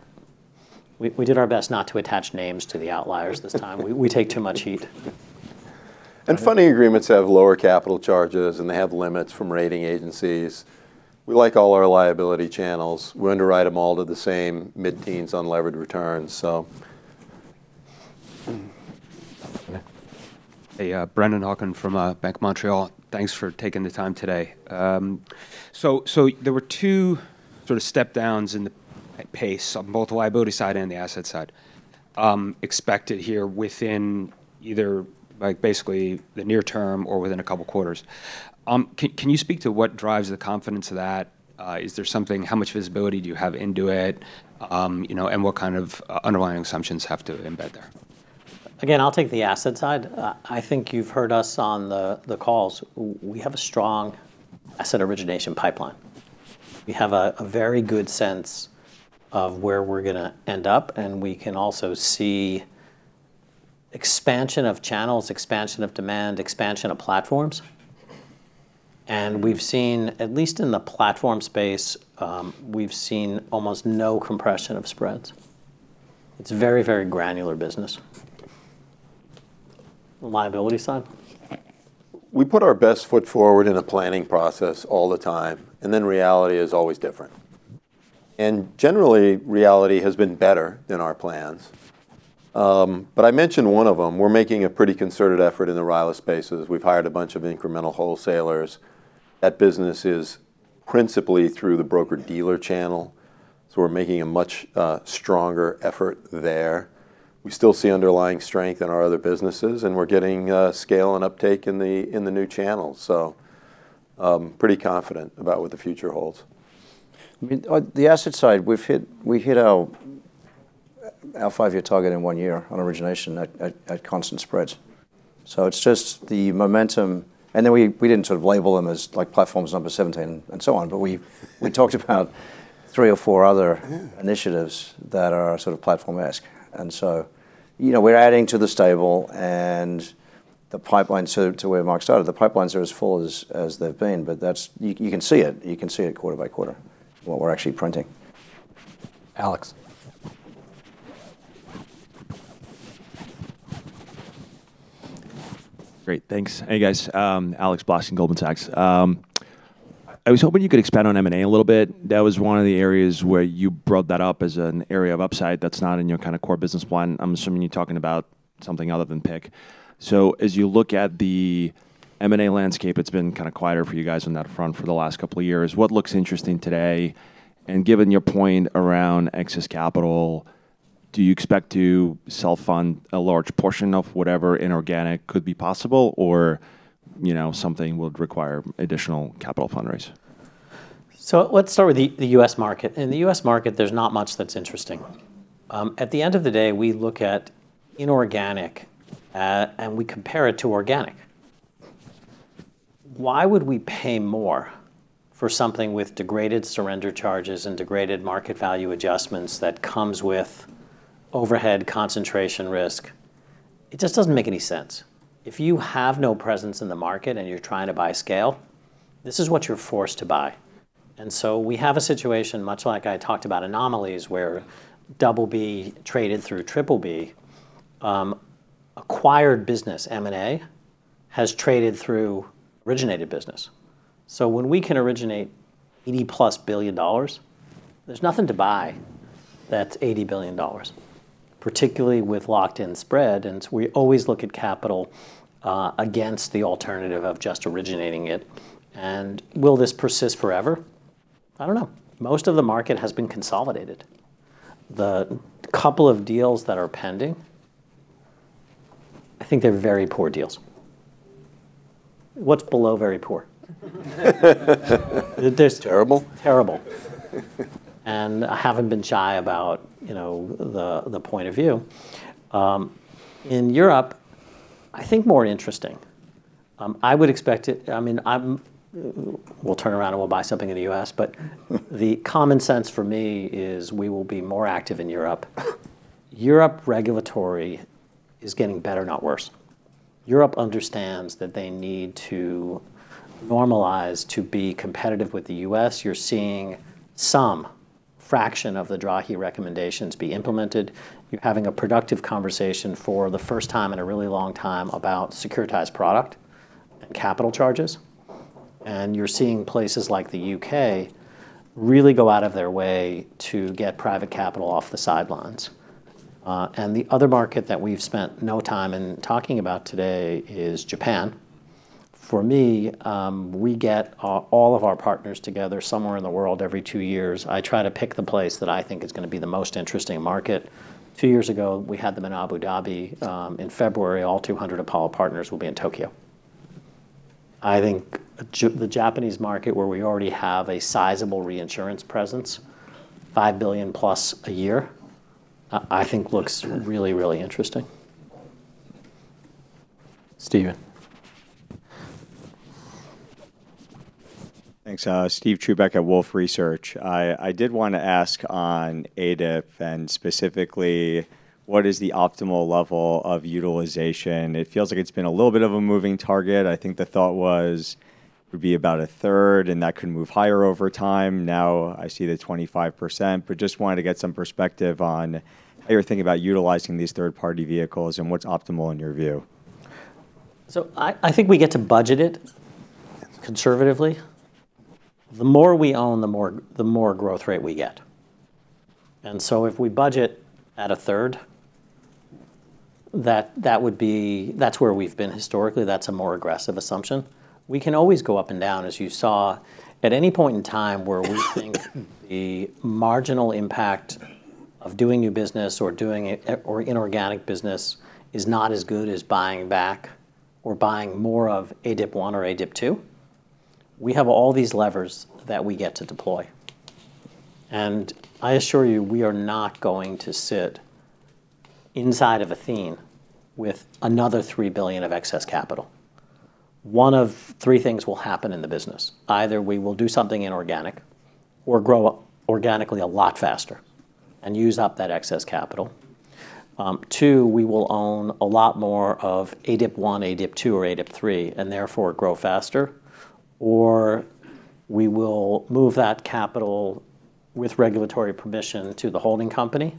We did our best not to attach names to the outliers this time. We take too much heat. Funding agreements have lower capital charges. They have limits from rating agencies. We like all our liability channels. We underwrite them all to the same mid-teens unleveraged returns. Hey, Brennan Hawken from Bank of Montreal. Thanks for taking the time today. There were two step-downs in the pace on both the liability side and the asset side expected here within either basically the near term or within a couple of quarters. Can you speak to what drives the confidence of that? Is there something? How much visibility do you have into it? What kind of underlying assumptions have to embed there? Again, I'll take the asset side. I think you've heard us on the calls. We have a strong asset origination pipeline. We have a very good sense of where we're going to end up. We can also see expansion of channels, expansion of demand, expansion of platforms. We've seen, at least in the platform space, we've seen almost no compression of spreads. It's very, very granular business. Liability side. We put our best foot forward in a planning process all the time. Reality is always different. Generally, reality has been better than our plans. I mentioned one of them. We're making a pretty concerted effort in the RILA spaces. We've hired a bunch of incremental wholesalers. That business is principally through the broker-dealer channel. We are making a much stronger effort there. We still see underlying strength in our other businesses. We are getting scale and uptake in the new channels. Pretty confident about what the future holds. The asset side, we hit our five-year target in one year on origination at constant spreads. It is just the momentum. We did not label them as platforms number 17 and so on. We talked about three or four other initiatives that are sort of platform-esque. We are adding to the stable. The pipeline, to where Marc started, the pipelines are as full as they have been. You can see it. You can see it quarter by quarter what we are actually printing. Alex. Great. Thanks. Hey, guys. Alex Blostein, Goldman Sachs. I was hoping you could expand on M&A a little bit. That was one of the areas where you brought that up as an area of upside that's not in your kind of core business plan. I'm assuming you're talking about something other than PIC. As you look at the M&A landscape, it's been kind of quieter for you guys on that front for the last couple of years. What looks interesting today? Given your point around excess capital, do you expect to self-fund a large portion of whatever inorganic could be possible? Or would something require additional capital fundraising? Let's start with the U.S. market. In the U.S. market, there's not much that's interesting. At the end of the day, we look at inorganic and we compare it to organic. Why would we pay more for something with degraded surrender charges and degraded market value adjustments that comes with overhead concentration risk? It just doesn't make any sense. If you have no presence in the market and you're trying to buy scale, this is what you're forced to buy. We have a situation, much like I talked about anomalies, where BB traded through BBB. Acquired business M&A has traded through originated business. When we can originate $80-plus billion, there's nothing to buy that's $80 billion, particularly with locked-in spread. We always look at capital against the alternative of just originating it. Will this persist forever? I don't know. Most of the market has been consolidated. The couple of deals that are pending, I think they're very poor deals. What's below very poor? Terrible. Terrible. And I haven't been shy about the point of view. In Europe, I think more interesting. I would expect it. I mean, we'll turn around and we'll buy something in the U.S. The common sense for me is we will be more active in Europe. Europe regulatory is getting better, not worse. Europe understands that they need to normalize to be competitive with the U.S. You're seeing some fraction of the DRAHI recommendations be implemented. You're having a productive conversation for the first time in a really long time about securitized product and capital charges. You're seeing places like the U.K. really go out of their way to get private capital off the sidelines. The other market that we've spent no time in talking about today is Japan. For me, we get all of our partners together somewhere in the world every two years. I try to pick the place that I think is going to be the most interesting market. Two years ago, we had them in Abu Dhabi. In February, all 200 Apollo partners will be in Tokyo. I think the Japanese market, where we already have a sizable reinsurance presence, $5 billion-plus a year, I think looks really, really interesting. Steven. Thanks. Steven Chubak at Wolf Research. I did want to ask on ADIP and specifically, what is the optimal level of utilization? It feels like it's been a little bit of a moving target. I think the thought was it would be about a third. And that could move higher over time. Now I see the 25%. But just wanted to get some perspective on how you're thinking about utilizing these third-party vehicles and what's optimal in your view? I think we get to budget it conservatively. The more we own, the more growth rate we get. If we budget at a third, that's where we've been historically. That's a more aggressive assumption. We can always go up and down, as you saw, at any point in time where we think the marginal impact of doing new business or inorganic business is not as good as buying back or buying more of ADIP 1 or ADIP 2. We have all these levers that we get to deploy. I assure you, we are not going to sit inside of Athene with another $3 billion of excess capital. One of three things will happen in the business. Either we will do something inorganic or grow organically a lot faster and use up that excess capital. Two, we will own a lot more of ADIP 1, ADIP 2, or ADIP 3 and therefore grow faster. We will move that capital with regulatory permission to the holding company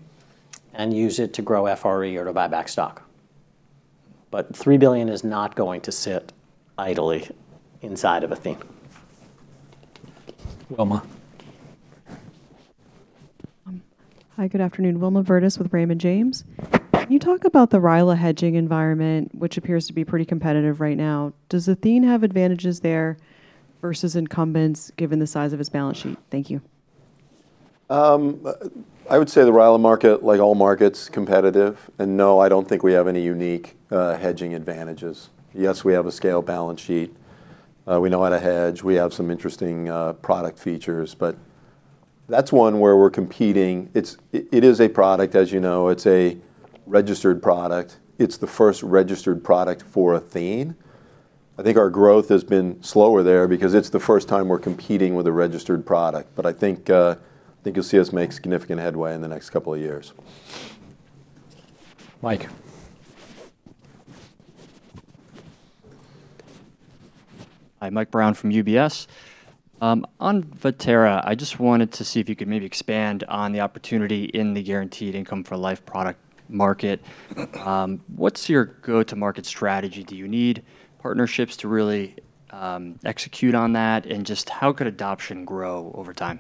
and use it to grow FRE or to buy back stock. $3 billion is not going to sit idly inside of Athene. Wilma. Hi. Good afternoon. Wilma Virdus with Raymond James. Can you talk about the RILA hedging environment, which appears to be pretty competitive right now? Does Athene have advantages there versus incumbents given the size of its balance sheet? Thank you. I would say the RILA market, like all markets, is competitive. No, I do not think we have any unique hedging advantages. Yes, we have a scaled balance sheet. We know how to hedge. We have some interesting product features. That is one where we are competing. It is a product, as you know. It is a registered product. It is the first registered product for Athene. I think our growth has been slower there because it is the first time we are competing with a registered product. I think you will see us make significant headway in the next couple of years. Mike. Hi. Mike Brown from UBS. On Viterra, I just wanted to see if you could maybe expand on the opportunity in the guaranteed income for life product market. What's your go-to-market strategy? Do you need partnerships to really execute on that? How could adoption grow over time?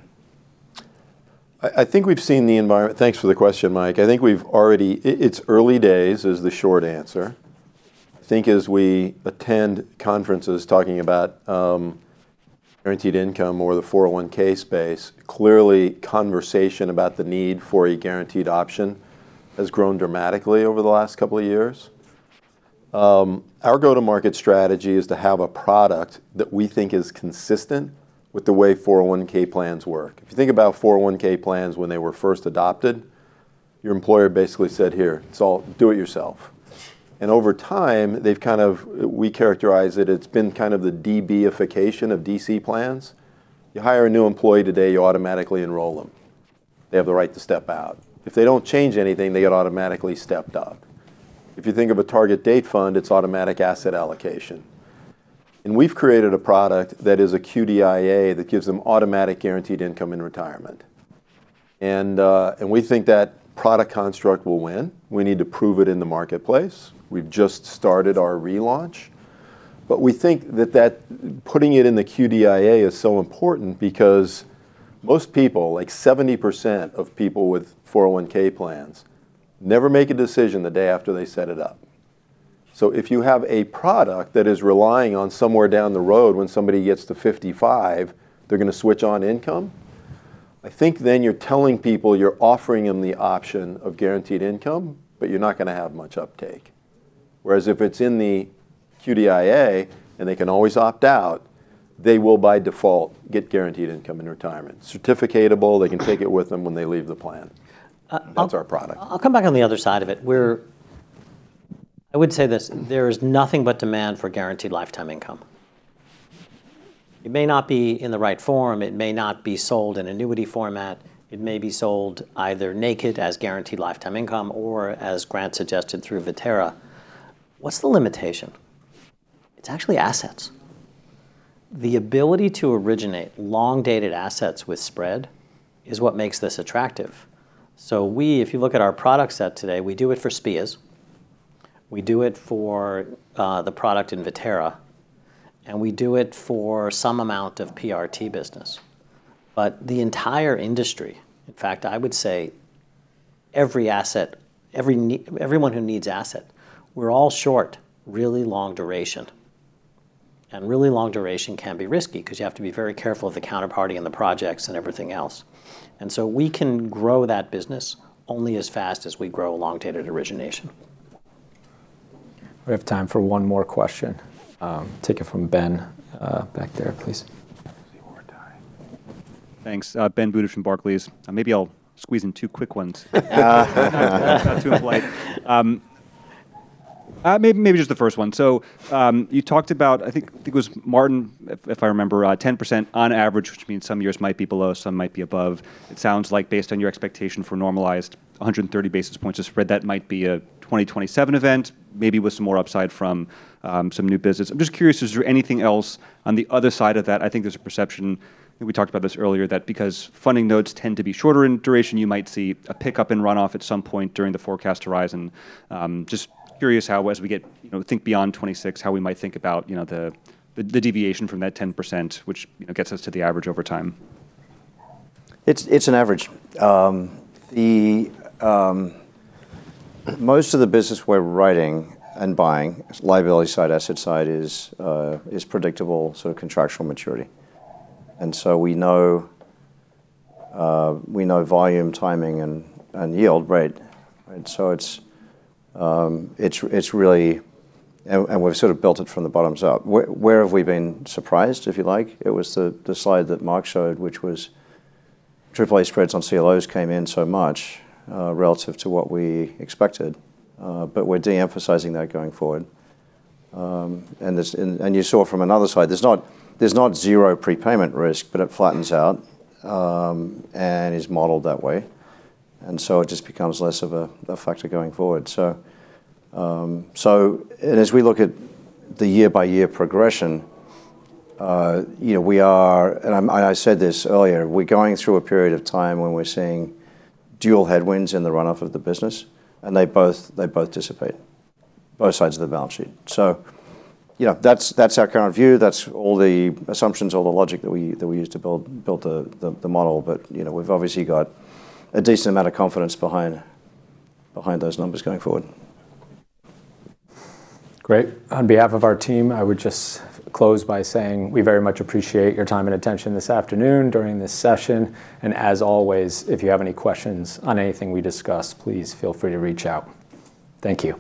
I think we've seen the environment. Thanks for the question, Mike. I think we've already—it's early days is the short answer. I think as we attend conferences talking about guaranteed income or the 401(k) space, clearly conversation about the need for a guaranteed option has grown dramatically over the last couple of years. Our go-to-market strategy is to have a product that we think is consistent with the way 401(k) plans work. If you think about 401(k) plans when they were first adopted, your employer basically said, "Here. It's all do-it-yourself." Over time, they've kind of—we characterize it—it's been kind of the DB-ification of DC plans. You hire a new employee today, you automatically enroll them. They have the right to step out. If they don't change anything, they get automatically stepped up. If you think of a target date fund, it's automatic asset allocation. We have created a product that is a QDIA that gives them automatic guaranteed income in retirement. We think that product construct will win. We need to prove it in the marketplace. We have just started our relaunch. We think that putting it in the QDIA is so important because most people, like 70% of people with 401(k) plans, never make a decision the day after they set it up. If you have a product that is relying on somewhere down the road when somebody gets to 55, they are going to switch on income, I think then you are telling people you are offering them the option of guaranteed income, but you are not going to have much uptake. Whereas if it is in the QDIA and they can always opt out, they will by default get guaranteed income in retirement. Certificatable, they can take it with them when they leave the plan. That's our product. I'll come back on the other side of it. I would say this. There is nothing but demand for guaranteed lifetime income. It may not be in the right form. It may not be sold in an annuity format. It may be sold either naked as guaranteed lifetime income or as Grant suggested through Viterra. What's the limitation? It's actually assets. The ability to originate long-dated assets with spread is what makes this attractive. If you look at our product set today, we do it for SPIAs. We do it for the product in Viterra. We do it for some amount of PRT business. The entire industry, in fact, I would say every asset, everyone who needs asset, we're all short really long duration. Really long duration can be risky because you have to be very careful of the counterparty and the projects and everything else. We can grow that business only as fast as we grow long-dated origination. We have time for one more question. Take it from Ben back there, please. Thanks. Ben Budish from Barclays. Maybe I'll squeeze in two quick ones. Maybe just the first one. You talked about, I think it was Martin, if I remember, 10% on average, which means some years might be below, some might be above. It sounds like based on your expectation for normalized 130 basis points of spread, that might be a 2027 event, maybe with some more upside from some new business. I'm just curious, is there anything else on the other side of that? I think there's a perception—we talked about this earlier—that because funding notes tend to be shorter in duration, you might see a pickup in runoff at some point during the forecast horizon. Just curious how, as we think beyond 2026, how we might think about the deviation from that 10%, which gets us to the average over time? It's an average. Most of the business we're writing and buying, liability side, asset side is predictable sort of contractual maturity. We know volume, timing, and yield rate. It's really, and we've sort of built it from the bottoms up. Where have we been surprised, if you like? It was the slide that Marc showed, which was AAA spreads on CLOs came in so much relative to what we expected. We are de-emphasizing that going forward. You saw from another side, there's not zero prepayment risk, but it flattens out and is modeled that way. It just becomes less of a factor going forward. As we look at the year-by-year progression, we are, and I said this earlier, going through a period of time when we're seeing dual headwinds in the runoff of the business. They both dissipate, both sides of the balance sheet. That is our current view. That is all the assumptions, all the logic that we use to build the model. We have obviously got a decent amount of confidence behind those numbers going forward. Great. On behalf of our team, I would just close by saying we very much appreciate your time and attention this afternoon during this session. As always, if you have any questions on anything we discussed, please feel free to reach out. Thank you.